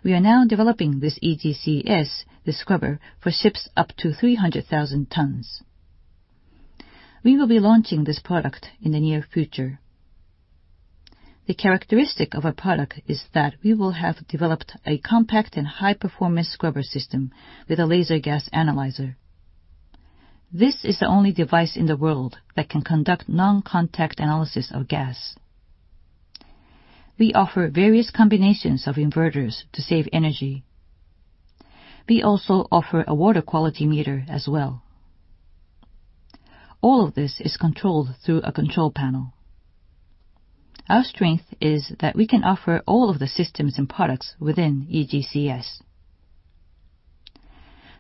We are now developing this EGCS, the scrubber, for ships up to 300,000 tons. We will be launching this product in the near future. The characteristic of our product is that we will have developed a compact and high-performance scrubber system with a laser gas analyzer. This is the only device in the world that can conduct non-contact analysis of gas. We offer various combinations of inverters to save energy. We also offer a water quality meter as well. All of this is controlled through a control panel. Our strength is that we can offer all of the systems and products within EGCS.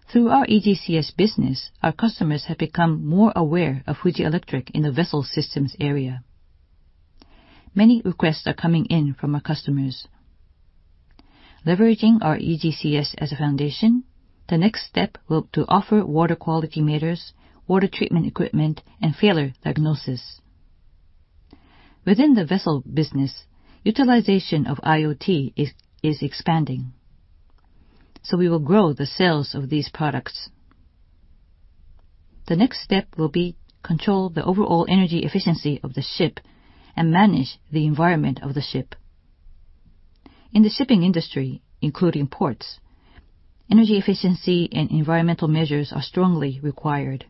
Through our EGCS business, our customers have become more aware of Fuji Electric in the vessel systems area. Many requests are coming in from our customers. Leveraging our EGCS as a foundation, the next step will to offer water quality meters, water treatment equipment, and failure diagnosis. Within the vessel business, utilization of IoT is expanding, so we will grow the sales of these products. The next step will be control the overall energy efficiency of the ship and manage the environment of the ship. In the shipping industry, including ports, energy efficiency and environmental measures are strongly required.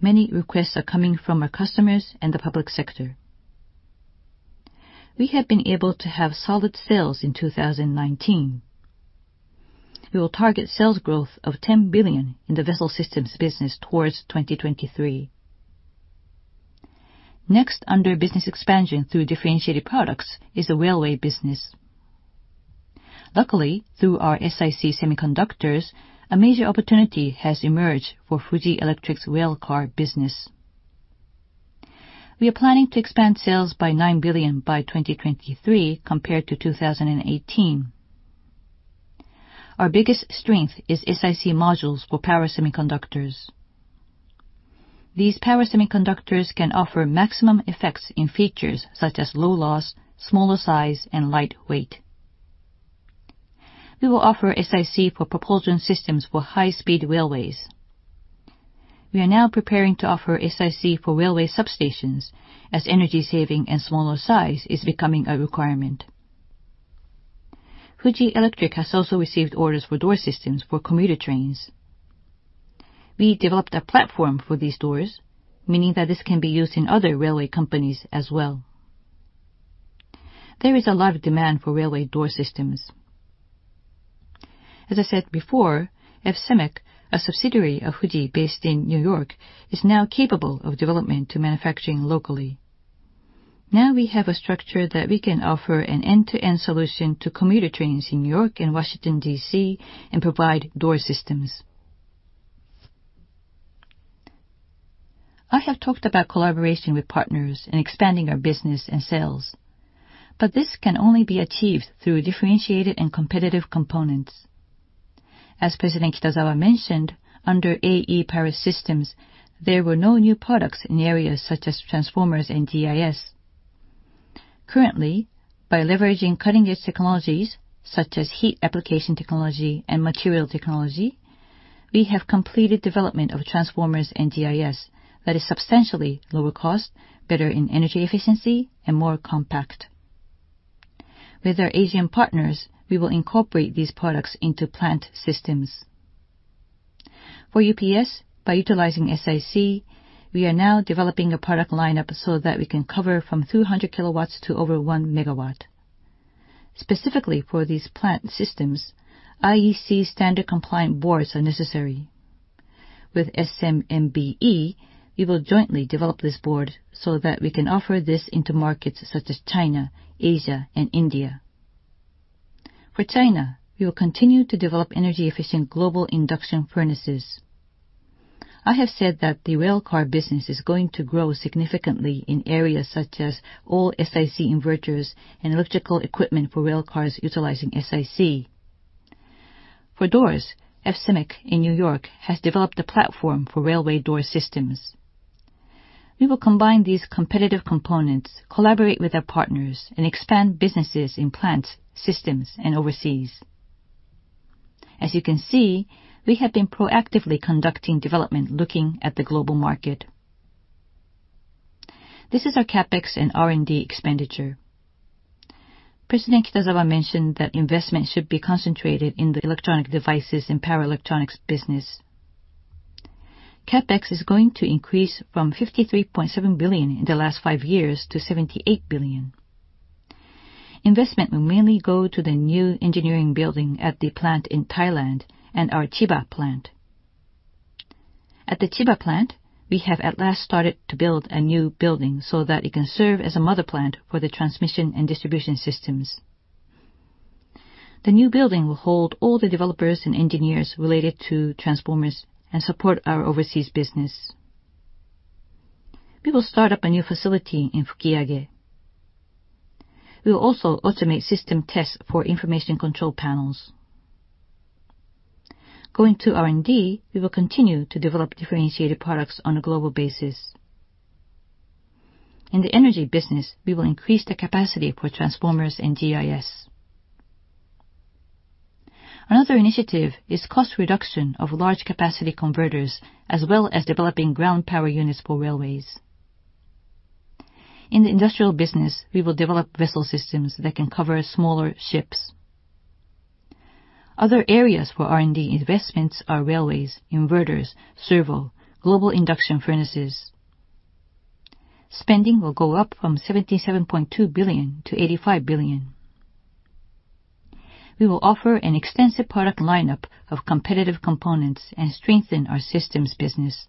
Many requests are coming from our customers and the public sector. We have been able to have solid sales in 2019. We will target sales growth of 10 billion in the vessel systems business towards 2023. Next, under business expansion through differentiated products, is the railway business. Luckily, through our SiC semiconductors, a major opportunity has emerged for Fuji Electric's railcar business. We are planning to expand sales by 9 billion by 2023 compared to 2018. Our biggest strength is SiC modules for power semiconductors. These power semiconductors can offer maximum effects in features such as low loss, smaller size, and light weight. We will offer SiC for propulsion systems for high-speed railways. We are now preparing to offer SiC for railway substations, as energy-saving and smaller size is becoming a requirement. Fuji Electric has also received orders for door systems for commuter trains. We developed a platform for these doors, meaning that this can be used in other railway companies as well. There is a lot of demand for railway door systems. As I said before, FSEMEC, a subsidiary of Fuji based in New York, is now capable of development to manufacturing locally. Now we have a structure that we can offer an end-to-end solution to commuter trains in New York and Washington, D.C., and provide door systems. I have talked about collaboration with partners in expanding our business and sales, this can only be achieved through differentiated and competitive components. As President Kitazawa mentioned, under AE Power Systems, there were no new products in areas such as transformers and GIS. Currently, by leveraging cutting-edge technologies such as heat application technology and material technology, we have completed development of transformers and GIS that is substantially lower cost, better in energy efficiency, and more compact. With our Asian partners, we will incorporate these products into plant systems. For UPS, by utilizing SiC, we are now developing a product lineup so that we can cover from 200 kW to over 1 MW. Specifically for these plant systems, IEC standard compliant boards are necessary. With SMBE, we will jointly develop this board so that we can offer this into markets such as China, Asia, and India. For China, we will continue to develop energy-efficient global induction furnaces. I have said that the railcar business is going to grow significantly in areas such as all-SiC inverters and electrical equipment for railcars utilizing SiC. For doors, FSEMEC in New York has developed a platform for railway door systems. We will combine these competitive components, collaborate with our partners, and expand businesses in plants, systems, and overseas. As you can see, we have been proactively conducting development looking at the global market. This is our CapEx and R&D expenditure. President Kitazawa mentioned that investment should be concentrated in the electronic devices and power electronics business. CapEx is going to increase from 53.7 billion in the last five years to 78 billion. Investment will mainly go to the new engineering building at the plant in Thailand and our Chiba plant. At the Chiba plant, we have at last started to build a new building so that it can serve as a mother plant for the transmission and distribution systems. The new building will hold all the developers and engineers related to transformers and support our overseas business. We will start up a new facility in Fukiage. We will also automate system tests for information control panels. Going to R&D, we will continue to develop differentiated products on a global basis. In the energy business, we will increase the capacity for transformers and GIS. Another initiative is cost reduction of large-capacity converters as well as developing ground power units for railways. In the industrial business, we will develop vessel systems that can cover smaller ships. Other areas for R&D investments are railways, inverters, servo, global induction furnaces. Spending will go up from 77.2 billion-85 billion. We will offer an extensive product lineup of competitive components and strengthen our systems business.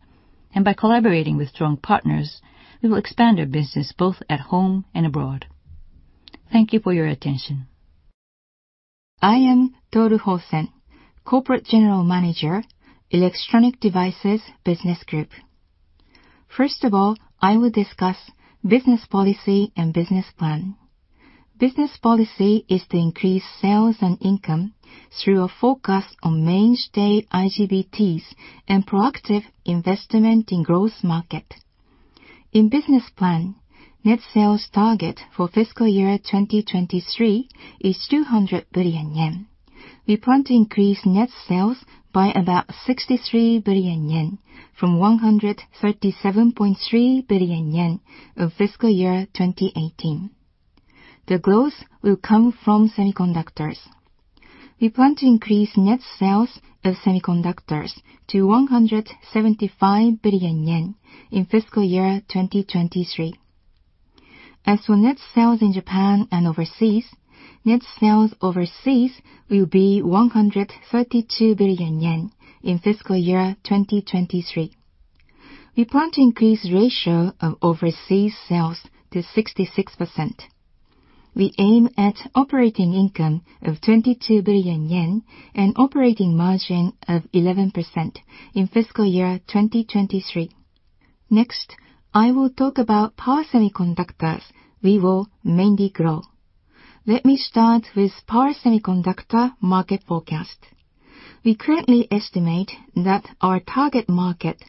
By collaborating with strong partners, we will expand our business both at home and abroad. Thank you for your attention. I am Toru Hosen, Corporate General Manager, Electronic Devices Business Group. First of all, I will discuss business policy and business plan. Business policy is to increase sales and income through a focus on mainstay IGBTs and proactive investment in growth market. In business plan, net sales target for fiscal year 2023 is 200 billion yen. We plan to increase net sales by about 63 billion yen from 137.3 billion yen of fiscal year 2018. The growth will come from semiconductors. We plan to increase net sales of semiconductors to 175 billion yen in FY 2023. As for net sales in Japan and overseas, net sales overseas will be 132 billion yen in FY 2023. We plan to increase ratio of overseas sales to 66%. We aim at operating income of 22 billion yen and operating margin of 11% in FY 2023. I will talk about power semiconductors we will mainly grow. Let me start with power semiconductor market forecast. We currently estimate that our target market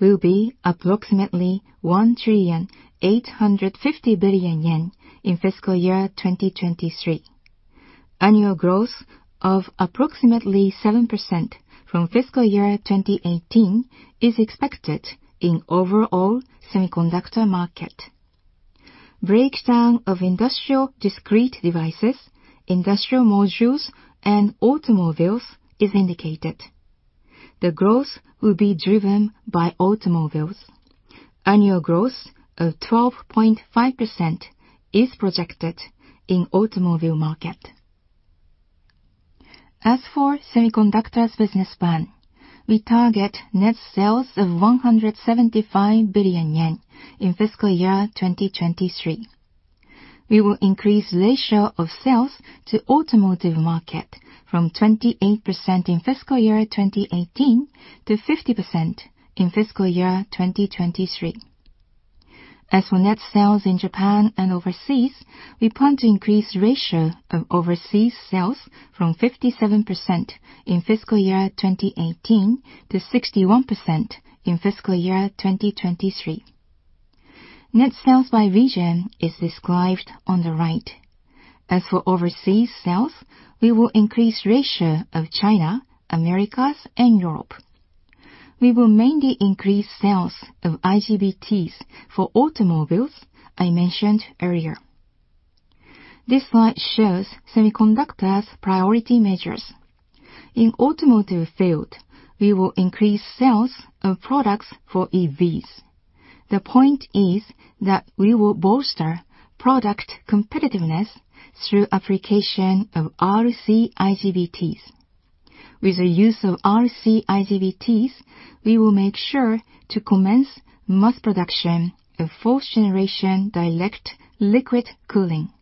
will be approximately 1,850 billion yen in FY 2023. Annual growth of approximately 7% from FY 2018 is expected in overall semiconductor market. Breakdown of industrial discrete devices, industrial modules, and automobiles is indicated. The growth will be driven by automobiles. Annual growth of 12.5% is projected in automobile market. As for semiconductors business plan, we target net sales of 175 billion yen in FY 2023. We will increase ratio of sales to automotive market from 28% in FY 2018 to 50% in FY 2023. As for net sales in Japan and overseas, we plan to increase ratio of overseas sales from 57% in FY 2018 to 61% in FY 2023. Net sales by region is described on the right. As for overseas sales, we will increase ratio of China, Americas, and Europe. We will mainly increase sales of IGBTs for automobiles, I mentioned earlier. This slide shows semiconductors priority measures. In automotive field, we will increase sales of products for EVs. The point is that we will bolster product competitiveness through application of RC-IGBTs. With the use of RC-IGBTs, we will make sure to commence mass production of fourth generation direct liquid cooling.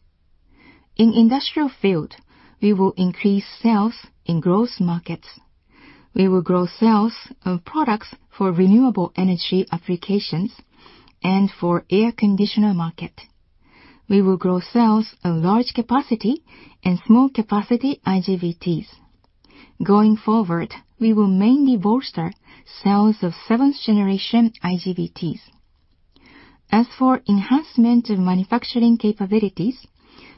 In industrial field, we will increase sales in growth markets. We will grow sales of products for renewable energy applications and for air conditioner market. We will grow sales of large capacity and small capacity IGBTs. Going forward, we will mainly bolster sales of seventh generation IGBTs. As for enhancement of manufacturing capabilities,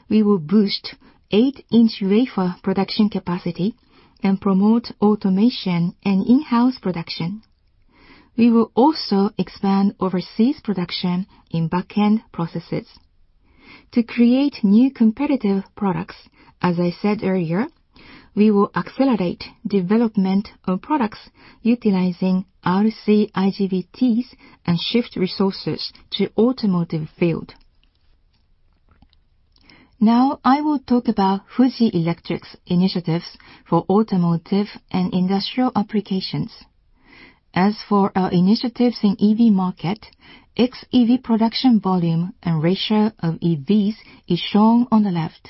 we will boost eight-inch wafer production capacity and promote automation and in-house production. We will also expand overseas production in backend processes. To create new competitive products, as I said earlier, we will accelerate development of products utilizing RC-IGBTs and shift resources to automotive field. I will talk about Fuji Electric's initiatives for automotive and industrial applications. As for our initiatives in EV market, xEV production volume and ratio of EVs is shown on the left.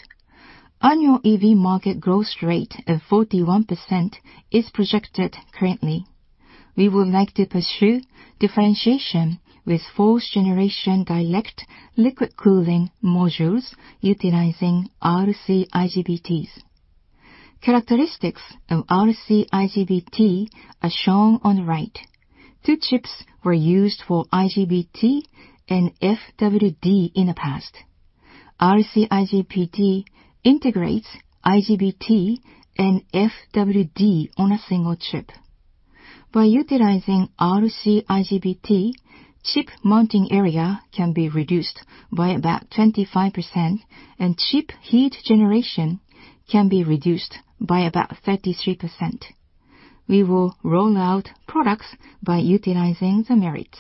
Annual EV market growth rate of 41% is projected currently. We would like to pursue differentiation with fourth generation direct liquid cooling modules utilizing RC-IGBTs. Characteristics of RC-IGBT are shown on the right. Two chips were used for IGBT and FWD in the past. RC-IGBT integrates IGBT and FWD on a single chip. By utilizing RC-IGBT, chip mounting area can be reduced by about 25%, and chip heat generation can be reduced by about 33%. We will roll out products by utilizing the merits.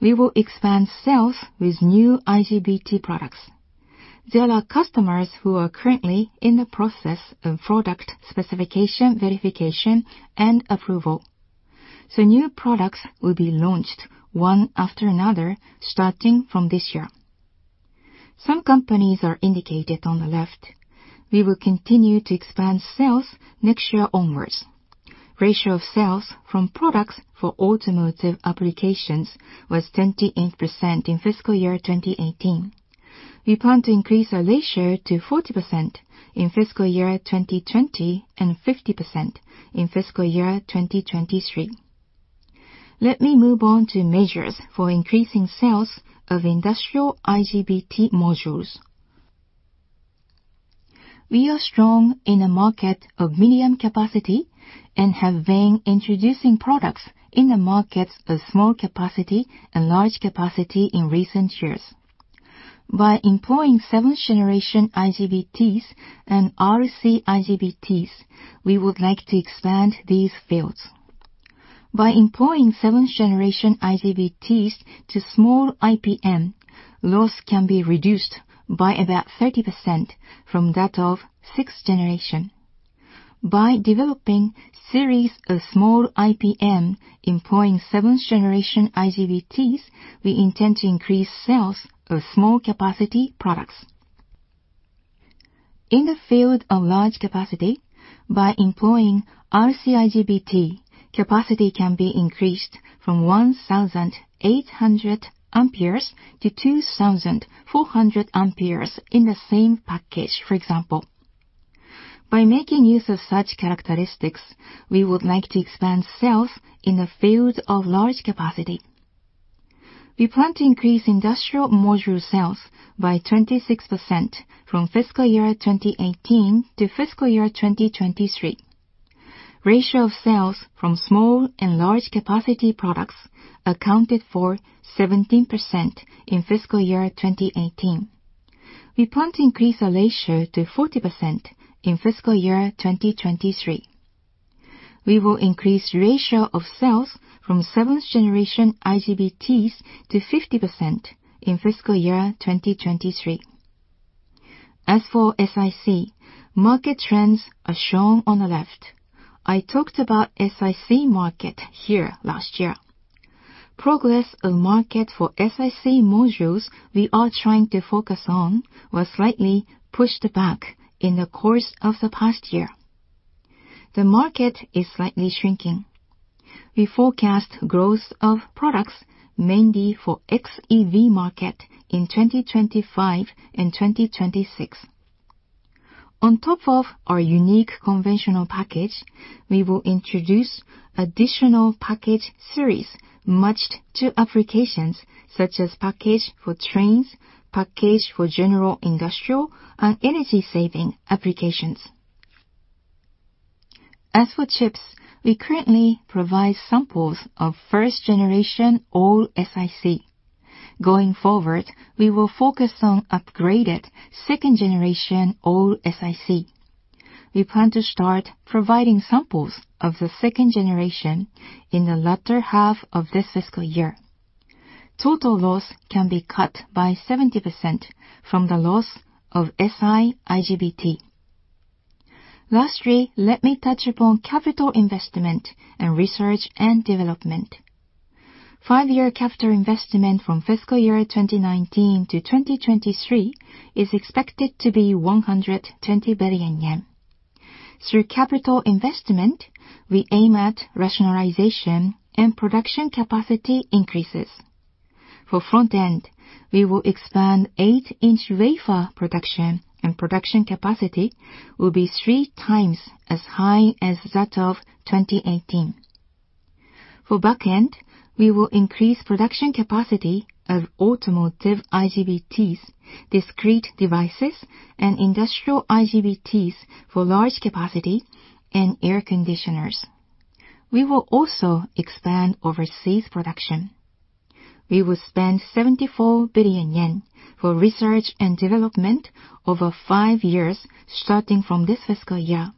We will expand sales with new IGBT products. There are customers who are currently in the process of product specification verification and approval. New products will be launched one after another, starting from this year. Some companies are indicated on the left. We will continue to expand sales next year onwards. Ratio of sales from products for automotive applications was 28% in fiscal year 2018. We plan to increase our ratio to 40% in fiscal year 2020, and 50% in fiscal year 2023. Let me move on to measures for increasing sales of industrial IGBT modules. We are strong in a market of medium capacity and have been introducing products in the markets of small capacity and large capacity in recent years. By employing seventh generation IGBTs and RC-IGBTs, we would like to expand these fields. By employing seventh generation IGBTs to small IPM, loss can be reduced by about 30% from that of sixth generation. By developing series of small IPM employing seventh generation IGBTs, we intend to increase sales of small capacity products. In the field of large capacity, by employing RC-IGBT, capacity can be increased from 1,800 amperes-2,400 amperes in the same package, for example. By making use of such characteristics, we would like to expand sales in the field of large capacity. We plan to increase industrial module sales by 26% from fiscal year 2018 to fiscal year 2023. Ratio of sales from small and large capacity products accounted for 17% in fiscal year 2018. We plan to increase our ratio to 40% in fiscal year 2023. We will increase ratio of sales from seventh generation IGBTs to 50% in fiscal year 2023. As for SiC, market trends are shown on the left. I talked about SiC market here last year. Progress of market for SiC modules we are trying to focus on was slightly pushed back in the course of the past year. The market is slightly shrinking. We forecast growth of products mainly for xEV market in 2025 and 2026. On top of our unique conventional package, we will introduce additional package series matched to applications such as package for trains, package for general industrial and energy-saving applications. As for chips, we currently provide samples of first generation all SiC. Going forward, we will focus on upgraded second generation all SiC. We plan to start providing samples of the second generation in the latter half of this fiscal year. Total loss can be cut by 70% from the loss of Si IGBT. Lastly, let me touch upon capital investment and research and development. Five-year capital investment from fiscal year 2019-2023 is expected to be 120 billion yen. Through capital investment, we aim at rationalization and production capacity increases. For front-end, we will expand eight-inch wafer production, and production capacity will be three times as high as that of 2018. For back-end, we will increase production capacity of automotive IGBTs, discrete devices, and industrial IGBTs for large capacity and air conditioners. We will also expand overseas production. We will spend 74 billion yen for research and development over five years, starting from this fiscal year.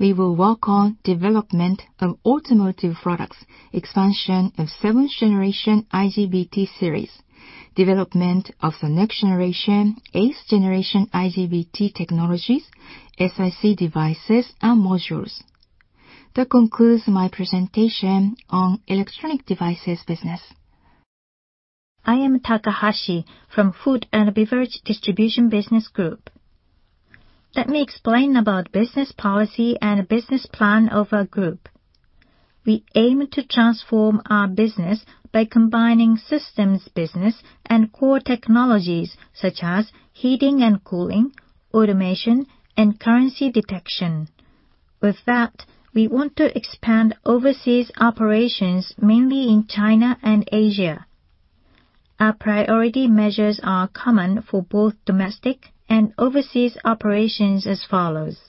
We will work on development of automotive products, expansion of seventh generation IGBT series, development of the next generation, eighth generation IGBT technologies, SiC devices, and modules. That concludes my presentation on electronic devices business. I am Takahashi from Food and Beverage Distribution Business Group. Let me explain about business policy and business plan of our group. We aim to transform our business by combining systems business and core technologies such as heating and cooling, automation, and currency detection. With that, we want to expand overseas operations, mainly in China and Asia. Our priority measures are common for both domestic and overseas operations as follows.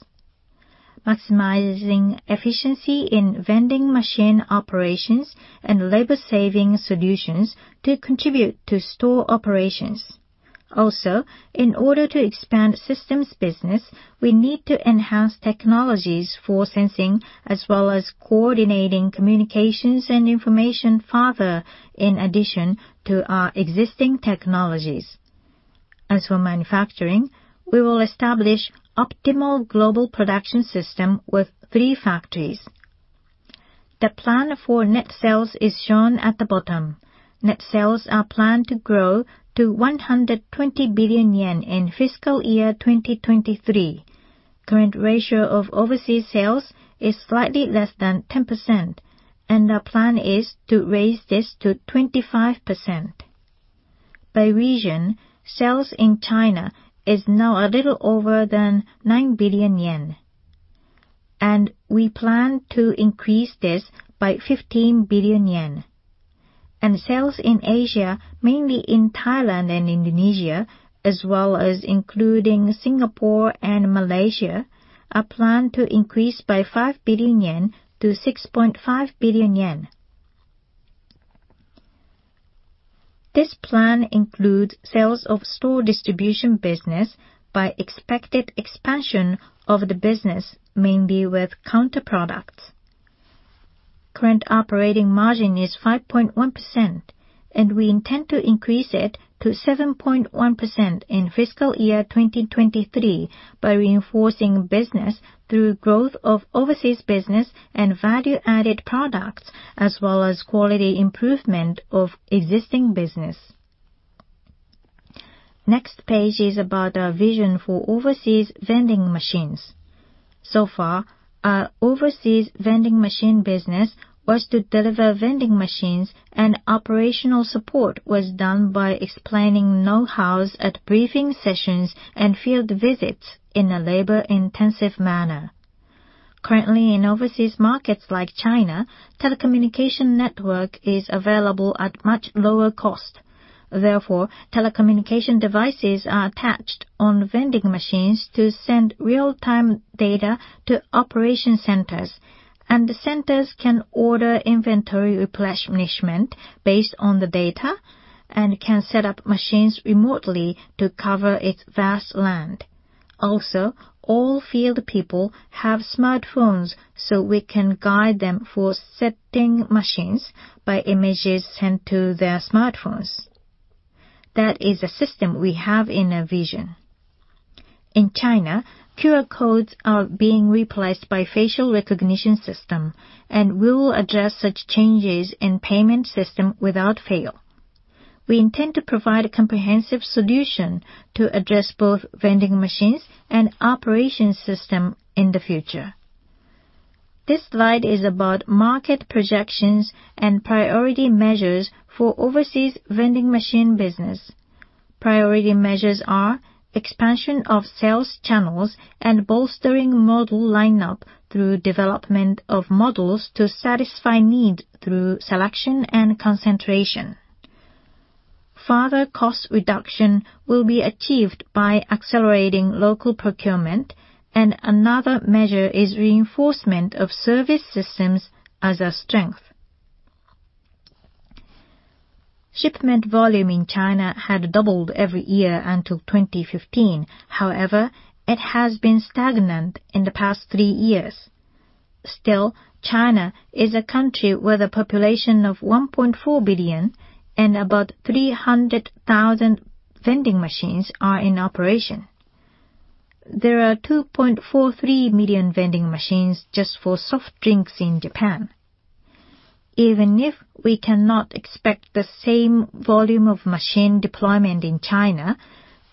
Maximizing efficiency in vending machine operations and labor-saving solutions to contribute to store operations. Also, in order to expand systems business, we need to enhance technologies for sensing as well as coordinating communications and information further in addition to our existing technologies. As for manufacturing, we will establish optimal global production system with three factories. The plan for net sales is shown at the bottom. Net sales are planned to grow to 120 billion yen in fiscal year 2023. Current ratio of overseas sales is slightly less than 10%, and our plan is to raise this to 25%. By region, sales in China is now a little over 9 billion yen. We plan to increase this by 15 billion yen. Sales in Asia, mainly in Thailand and Indonesia, as well as including Singapore and Malaysia, are planned to increase by JPY 5 billion-JPY 6.5 billion. This plan includes sales of store distribution business by expected expansion of the business, mainly with counter products. Current operating margin is 5.1%, and we intend to increase it to 7.1% in fiscal year 2023 by reinforcing business through growth of overseas business and value-added products, as well as quality improvement of existing business. Next page is about our vision for overseas vending machines. So far, our overseas vending machine business was to deliver vending machines, and operational support was done by explaining know-how at briefing sessions and field visits in a labor-intensive manner. Currently, in overseas markets like China, telecommunication network is available at much lower cost. Therefore, telecommunication devices are attached on vending machines to send real-time data to operation centers. The centers can order inventory replenishment based on the data and can set up machines remotely to cover its vast land. Also, all field people have smartphones, so we can guide them for setting machines by images sent to their smartphones. That is a system we have in a vision. In China, QR codes are being replaced by facial recognition system, and we will address such changes in payment system without fail. We intend to provide a comprehensive solution to address both vending machines and operation system in the future. This slide is about market projections and priority measures for overseas vending machine business. Priority measures are expansion of sales channels and bolstering model lineup through development of models to satisfy need through selection and concentration. Further cost reduction will be achieved by accelerating local procurement, and another measure is reinforcement of service systems as a strength. Shipment volume in China had doubled every year until 2015. However, it has been stagnant in the past three years. Still, China is a country with a population of 1.4 billion and about 300,000 vending machines are in operation. There are 2.43 million vending machines just for soft drinks in Japan. Even if we cannot expect the same volume of machine deployment in China,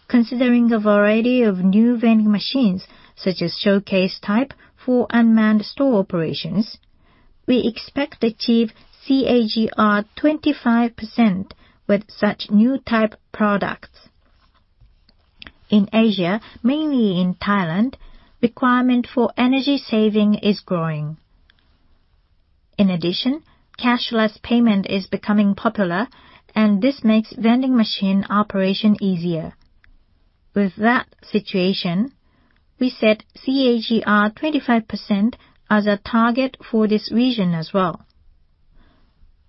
considering a variety of new vending machines, such as showcase type for unmanned store operations, we expect to achieve CAGR 25% with such new type products. In Asia, mainly in Thailand, requirement for energy saving is growing. In addition, cashless payment is becoming popular, and this makes vending machine operation easier. With that situation, we set CAGR 25% as a target for this region as well.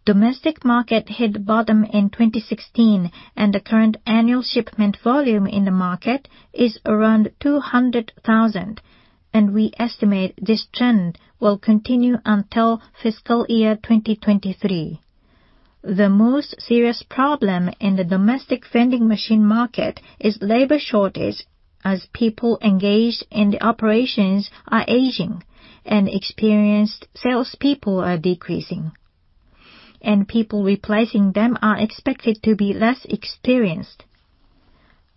Domestic market hit the bottom in 2016, and the current annual shipment volume in the market is around 200,000, and we estimate this trend will continue until fiscal year 2023. The most serious problem in the domestic vending machine market is labor shortage, as people engaged in the operations are aging and experienced salespeople are decreasing. People replacing them are expected to be less experienced.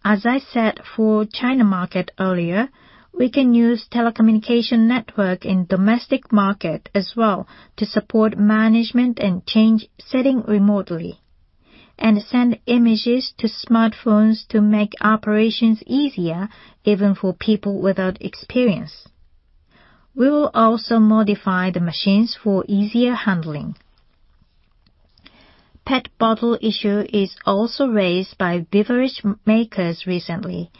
As I said for China market earlier, we can use telecommunication network in domestic market as well to support management and change setting remotely and send images to smartphones to make operations easier even for people without experience. We will also modify the machines for easier handling. Pet bottle issue is also raised by beverage makers recently,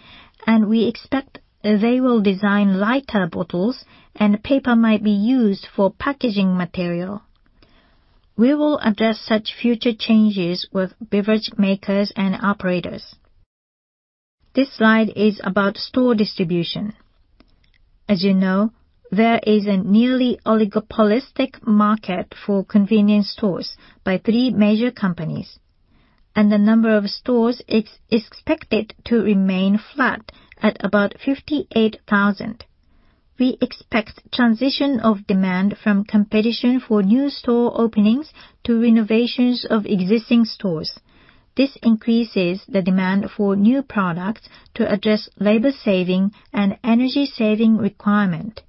and we expect they will design lighter bottles and paper might be used for packaging material. We will address such future changes with beverage makers and operators. This slide is about store distribution. As you know, there is a nearly oligopolistic market for convenience stores by three major companies, and the number of stores is expected to remain flat at about 58,000. We expect transition of demand from competition for new store openings to renovations of existing stores. This increases the demand for new products to address labor saving and energy saving requirement.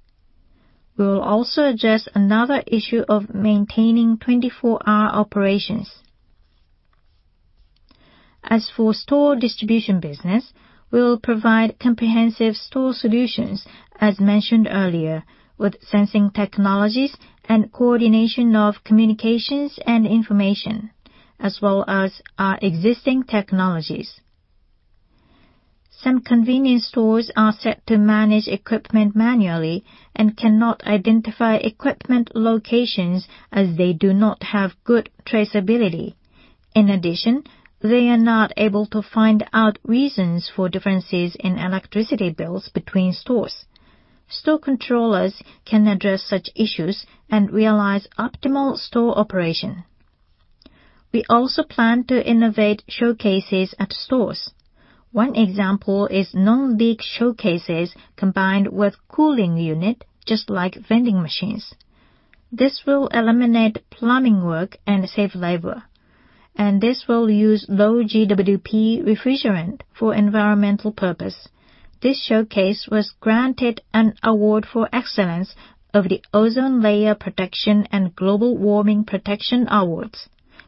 We will also address another issue of maintaining 24-hour operations. As for store distribution business, we will provide comprehensive store solutions, as mentioned earlier, with sensing technologies and coordination of communications and information, as well as our existing technologies. Some convenience stores are set to manage equipment manually and cannot identify equipment locations as they do not have good traceability. In addition, they are not able to find out reasons for differences in electricity bills between stores. Store controllers can address such issues and realize optimal store operation. We also plan to innovate showcases at stores. One example is non-leak showcases combined with cooling unit, just like vending machines. This will eliminate plumbing work and save labor, and this will use low GWP refrigerant for environmental purpose. This showcase was granted an award for excellence of the Ozone Layer Protection and Global Warming Prevention Award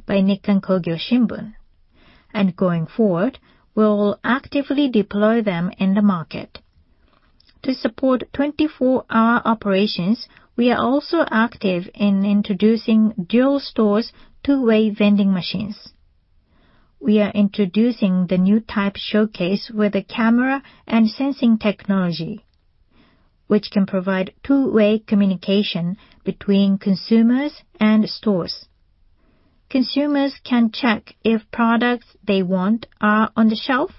by Nikkan Kogyo Shimbun. Going forward, we'll actively deploy them in the market. To support 24-hour operations, we are also active in introducing dual stores, two-way vending machines. We are introducing the new type showcase with a camera and sensing technology, which can provide two-way communication between consumers and stores. Consumers can check if products they want are on the shelf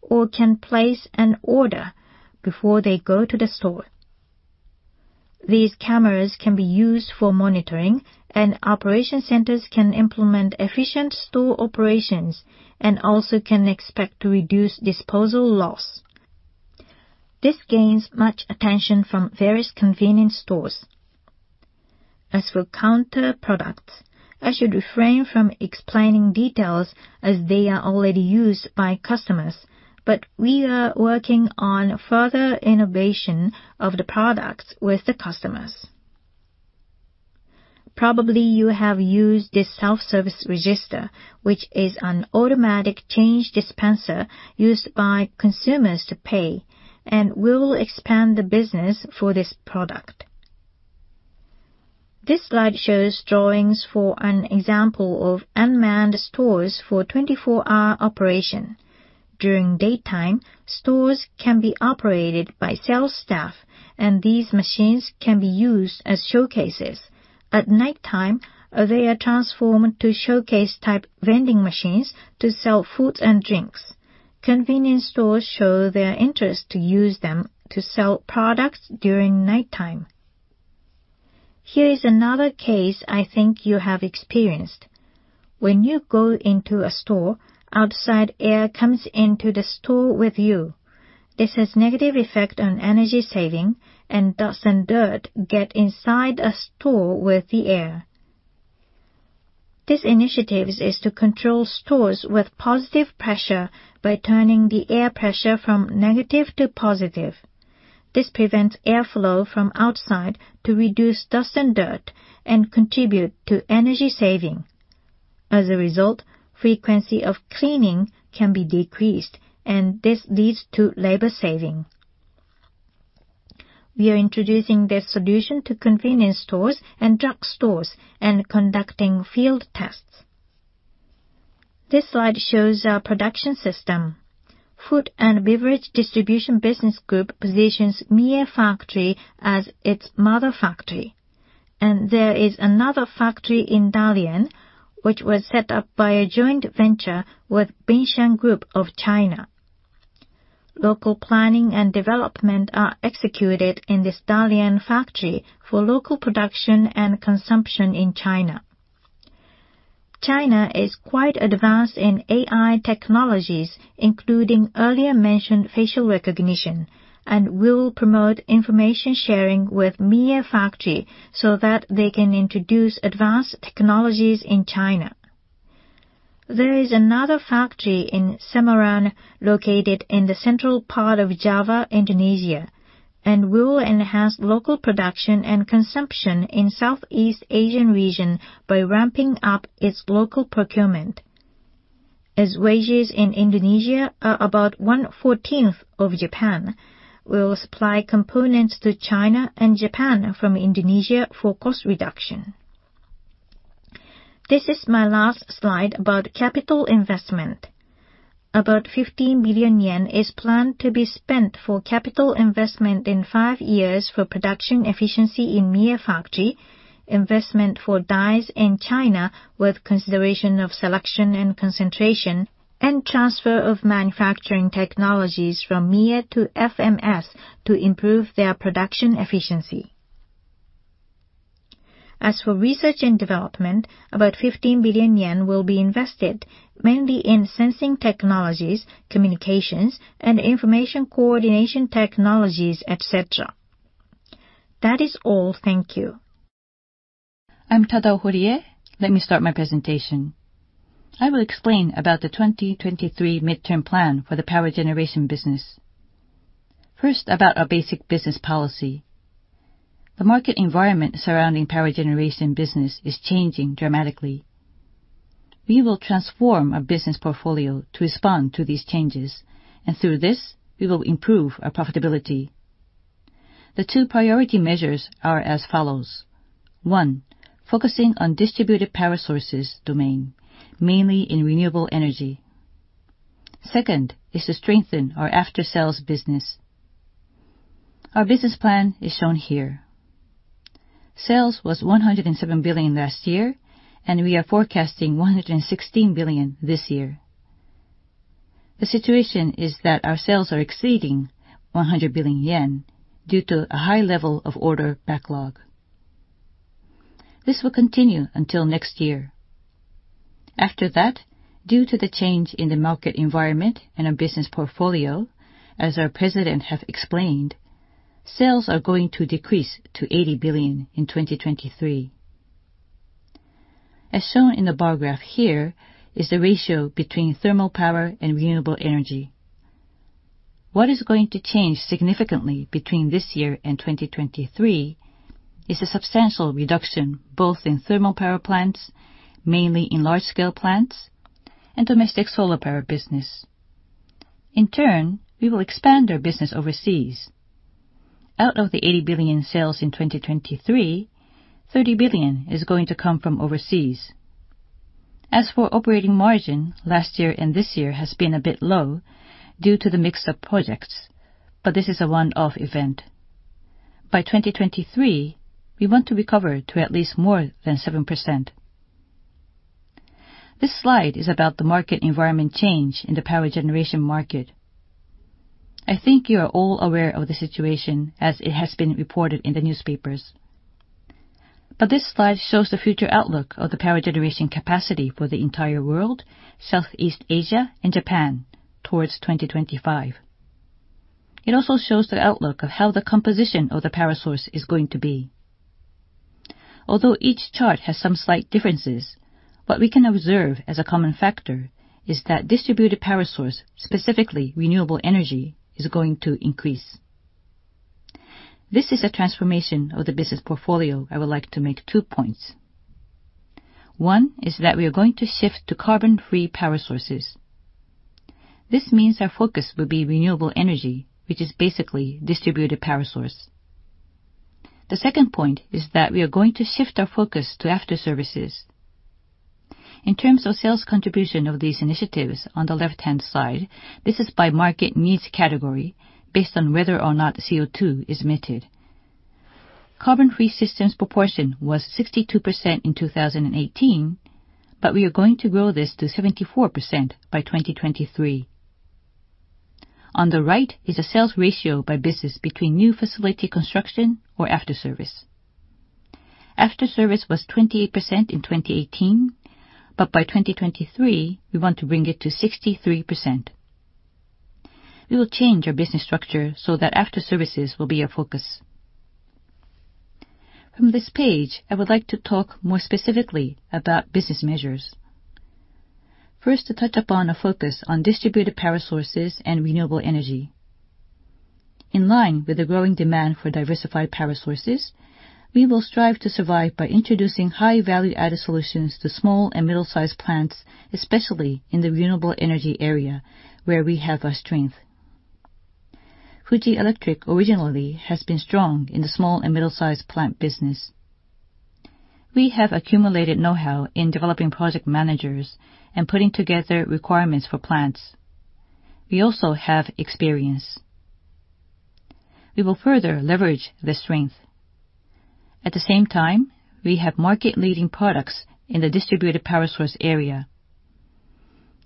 or can place an order before they go to the store. These cameras can be used for monitoring, and operation centers can implement efficient store operations and also can expect to reduce disposal loss. This gains much attention from various convenience stores. As for counter products, I should refrain from explaining details as they are already used by customers. We are working on further innovation of the products with the customers. Probably you have used this self-service register, which is an automatic change dispenser used by consumers to pay, and we will expand the business for this product. This slide shows drawings for an example of 24-hour unmanned stores. During daytime, stores can be operated by sales staff, and these machines can be used as showcases. At nighttime, they are transformed to showcase type vending machines to sell foods and drinks. Convenience stores show their interest to use them to sell products during nighttime. Here is another case I think you have experienced. When you go into a store, outside air comes into the store with you. This has negative effect on energy saving, and dust and dirt get inside a store with the air. This initiative is to control stores with positive pressure by turning the air pressure from negative to positive. This prevents airflow from outside to reduce dust and dirt and contribute to energy saving. As a result, frequency of cleaning can be decreased, and this leads to labor saving. We are introducing this solution to convenience stores and drugstores and conducting field tests. This slide shows our production system. Food and Beverage Distribution Business Group positions Mie Factory as its mother factory. There is another factory in Dalian, which was set up by a joint venture with Bingshan Group of China. Local planning and development are executed in this Dalian factory for local production and consumption in China. China is quite advanced in AI technologies, including earlier mentioned facial recognition, and we'll promote information sharing with Mie Factory so that they can introduce advanced technologies in China. There is another factory in Semarang, located in the central part of Java, Indonesia, and we will enhance local production and consumption in Southeast Asian region by ramping up its local procurement. As wages in Indonesia are about 1/14 of Japan, we'll supply components to China and Japan from Indonesia for cost reduction. This is my last slide about capital investment. About 15 billion yen is planned to be spent for capital investment in five years for production efficiency in Mie Factory, investment for dies in China with consideration of selection and concentration, and transfer of manufacturing technologies from Mie to FMS to improve their production efficiency. As for research and development, about 15 billion yen will be invested, mainly in sensing technologies, communications, and information coordination technologies, et cetera. That is all. Thank you. I'm Tadao Horie. Let me start my presentation. I will explain about the 2023 midterm plan for the power generation business. First, about our basic business policy. The market environment surrounding power generation business is changing dramatically. We will transform our business portfolio to respond to these changes, and through this, we will improve our profitability. The two priority measures are as follows. One, focusing on distributed power sources domain, mainly in renewable energy. Second is to strengthen our after-sales business. Our business plan is shown here. Sales was 107 billion last year, and we are forecasting 116 billion this year. The situation is that our sales are exceeding 100 billion yen due to a high level of order backlog. This will continue until next year. After that, due to the change in the market environment and our business portfolio, as our president has explained, sales are going to decrease to 80 billion in 2023. As shown in the bar graph, here is the ratio between thermal power and renewable energy. What is going to change significantly between this year and 2023 is the substantial reduction, both in thermal power plants, mainly in large-scale plants and domestic solar power business. In turn, we will expand our business overseas. Out of the 80 billion sales in 2023, 30 billion is going to come from overseas. As for operating margin, last year and this year has been a bit low due to the mix of projects, but this is a one-off event. By 2023, we want to recover to at least more than 7%. This slide is about the market environment change in the power generation market. I think you are all aware of the situation as it has been reported in the newspapers. This slide shows the future outlook of the power generation capacity for the entire world, Southeast Asia, and Japan towards 2025. It also shows the outlook of how the composition of the power source is going to be. Although each chart has some slight differences, what we can observe as a common factor is that distributed power source, specifically renewable energy, is going to increase. This is a transformation of the business portfolio. I would like to make two points. One is that we are going to shift to carbon-free power sources. This means our focus will be renewable energy, which is basically distributed power source. The second point is that we are going to shift our focus to afterservices. In terms of sales contribution of these initiatives, on the left-hand side, this is by market needs category based on whether or not CO2 is emitted. Carbon-free systems proportion was 62% in 2018, but we are going to grow this to 74% by 2023. On the right is a sales ratio by business between new facility construction or afterservice. Afterservice was 28% in 2018, but by 2023, we want to bring it to 63%. We will change our business structure so that afterservices will be our focus. From this page, I would like to talk more specifically about business measures. First, to touch upon a focus on distributed power sources and renewable energy. In line with the growing demand for diversified power sources, we will strive to survive by introducing high value-added solutions to small and middle-sized plants, especially in the renewable energy area where we have our strength. Fuji Electric originally has been strong in the small and middle-sized plant business. We have accumulated know-how in developing project managers and putting together requirements for plants. We also have experience. We will further leverage this strength. At the same time, we have market-leading products in the distributed power source area.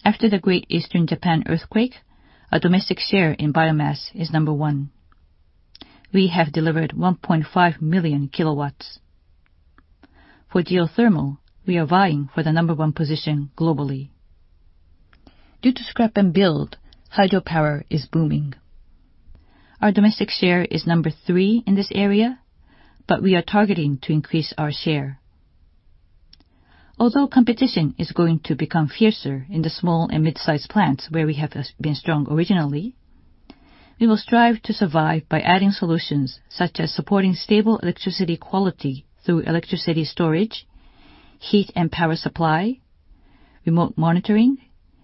After the Great East Japan Earthquake, our domestic share in biomass is number one. We have delivered 1.5 million kW. For geothermal, we are vying for the number one position globally. Due to scrap and build, hydropower is booming. Our domestic share is number three in this area, but we are targeting to increase our share. Although competition is going to become fiercer in the small and mid-size plants where we have been strong originally, we will strive to survive by adding solutions such as supporting stable electricity quality through electricity storage, heat and power supply, remote monitoring,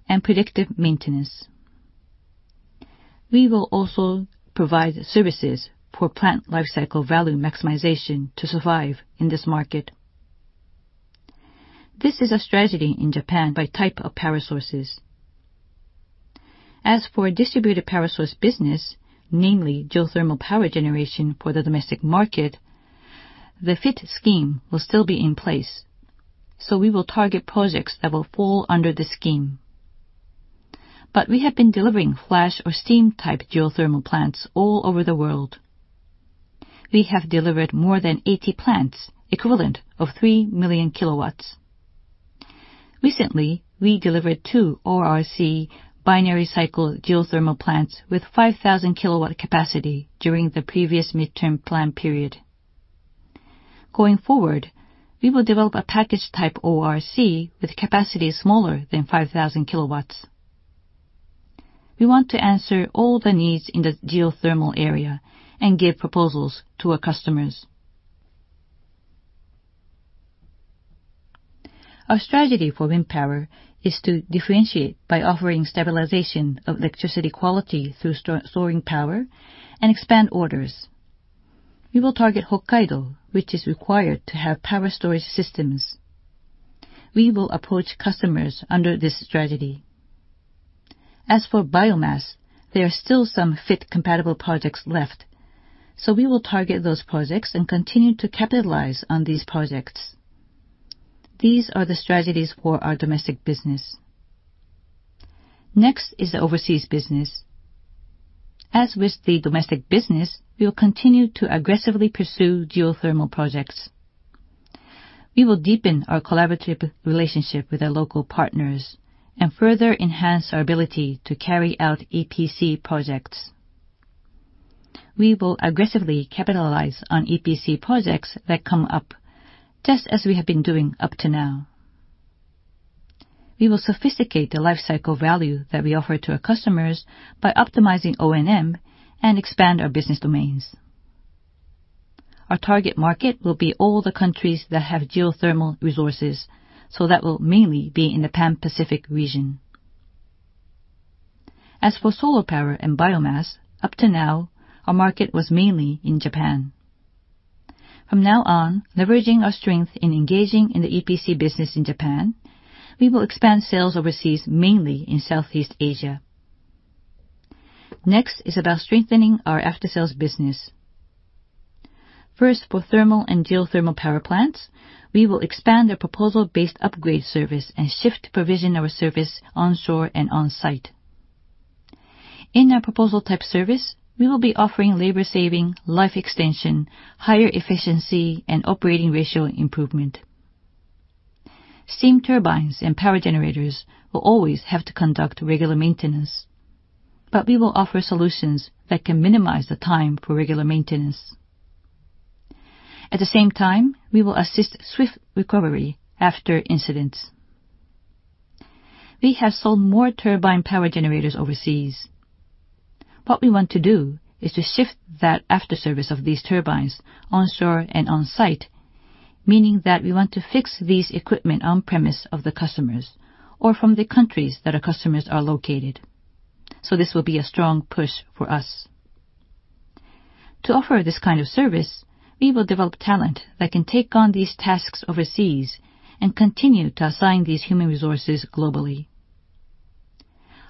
and predictive maintenance. We will also provide services for plant lifecycle value maximization to survive in this market. This is a strategy in Japan by type of power sources. As for distributed power source business, namely geothermal power generation for the domestic market, the fit scheme will still be in place, so we will target projects that will fall under the scheme. We have been delivering flash or steam-type geothermal plants all over the world. We have delivered more than 80 plants, equivalent of 3 million kW. Recently, we delivered two ORC binary cycle geothermal plants with 5,000 kW capacity during the previous midterm plan period. Going forward, we will develop a package type ORC with capacity smaller than 5,000 kW. We want to answer all the needs in the geothermal area and give proposals to our customers. Our strategy for wind power is to differentiate by offering stabilization of electricity quality through storing power and expand orders. We will target Hokkaido, which is required to have power storage systems. We will approach customers under this strategy. As for biomass, there are still some fit compatible projects left, so we will target those projects and continue to capitalize on these projects. These are the strategies for our domestic business. Next is the overseas business. As with the domestic business, we will continue to aggressively pursue geothermal projects. We will deepen our collaborative relationship with our local partners and further enhance our ability to carry out EPC projects. We will aggressively capitalize on EPC projects that come up just as we have been doing up to now. We will sophisticate the lifecycle value that we offer to our customers by optimizing O&M and expand our business domains. Our target market will be all the countries that have geothermal resources, so that will mainly be in the Pan-Pacific region. As for solar power and biomass, up to now, our market was mainly in Japan. From now on, leveraging our strength in engaging in the EPC business in Japan, we will expand sales overseas, mainly in Southeast Asia. Next is about strengthening our after-sales business. First, for thermal and geothermal power plants, we will expand the proposal-based upgrade service and shift to provision our service onshore and on-site. In our proposal-type service, we will be offering labor saving, life extension, higher efficiency, and operating ratio improvement. Steam turbines and power generators will always have to conduct regular maintenance. We will offer solutions that can minimize the time for regular maintenance. At the same time, we will assist swift recovery after incidents. We have sold more turbine power generators overseas. What we want to do is to shift that after-service of these turbines onshore and on-site, meaning that we want to fix these equipment on premise of the customers or from the countries that our customers are located. This will be a strong push for us. To offer this kind of service, we will develop talent that can take on these tasks overseas and continue to assign these human resources globally.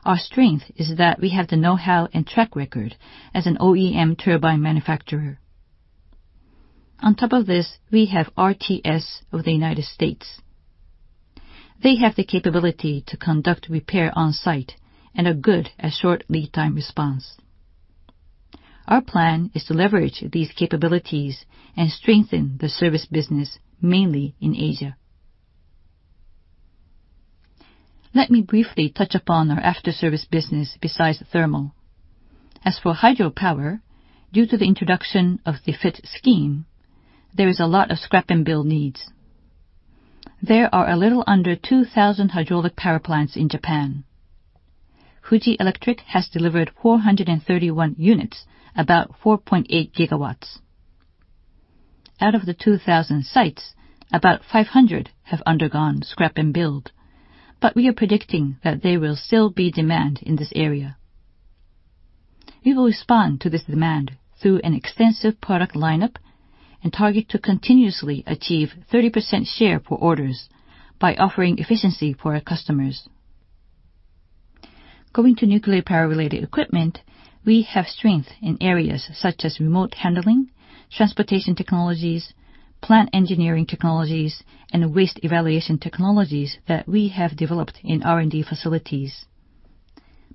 Our strength is that we have the know-how and track record as an OEM turbine manufacturer. On top of this, we have RTS of the U.S. They have the capability to conduct repair on-site and a good and short lead time response. Our plan is to leverage these capabilities and strengthen the service business, mainly in Asia. Let me briefly touch upon our after-service business besides thermal. As for hydropower, due to the introduction of the FIT scheme, there is a lot of scrap and build needs. There are a little under 2,000 hydraulic power plants in Japan. Fuji Electric has delivered 431 units, about 4.8 GW. Out of the 2,000 sites, about 500 have undergone scrap and build, but we are predicting that there will still be demand in this area. We will respond to this demand through an extensive product lineup and target to continuously achieve 30% share for orders by offering efficiency for our customers. Going to nuclear power-related equipment, we have strength in areas such as remote handling, transportation technologies, plant engineering technologies, and waste evaluation technologies that we have developed in R&D facilities.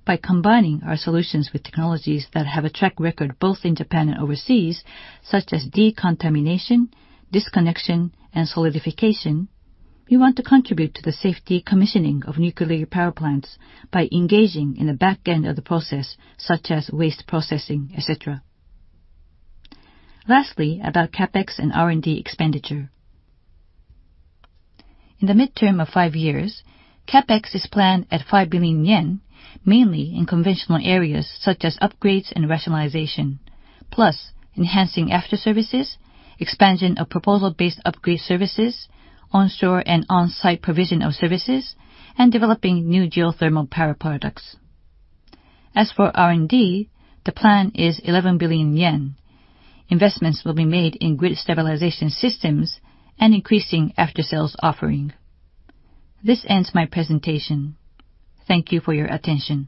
By combining our solutions with technologies that have a track record both in Japan and overseas, such as decontamination, disconnection, and solidification, we want to contribute to the safety commissioning of nuclear power plants by engaging in the back end of the process, such as waste processing, et cetera. Lastly, about CapEx and R&D expenditure. In the midterm of five years, CapEx is planned at 5 billion yen, mainly in conventional areas such as upgrades and rationalization, plus enhancing after-services, expansion of proposal-based upgrade services, onshore and on-site provision of services, and developing new geothermal power products. As for R&D, the plan is 11 billion yen. Investments will be made in grid stabilization systems and increasing after-sales offering. This ends my presentation. Thank you for your attention.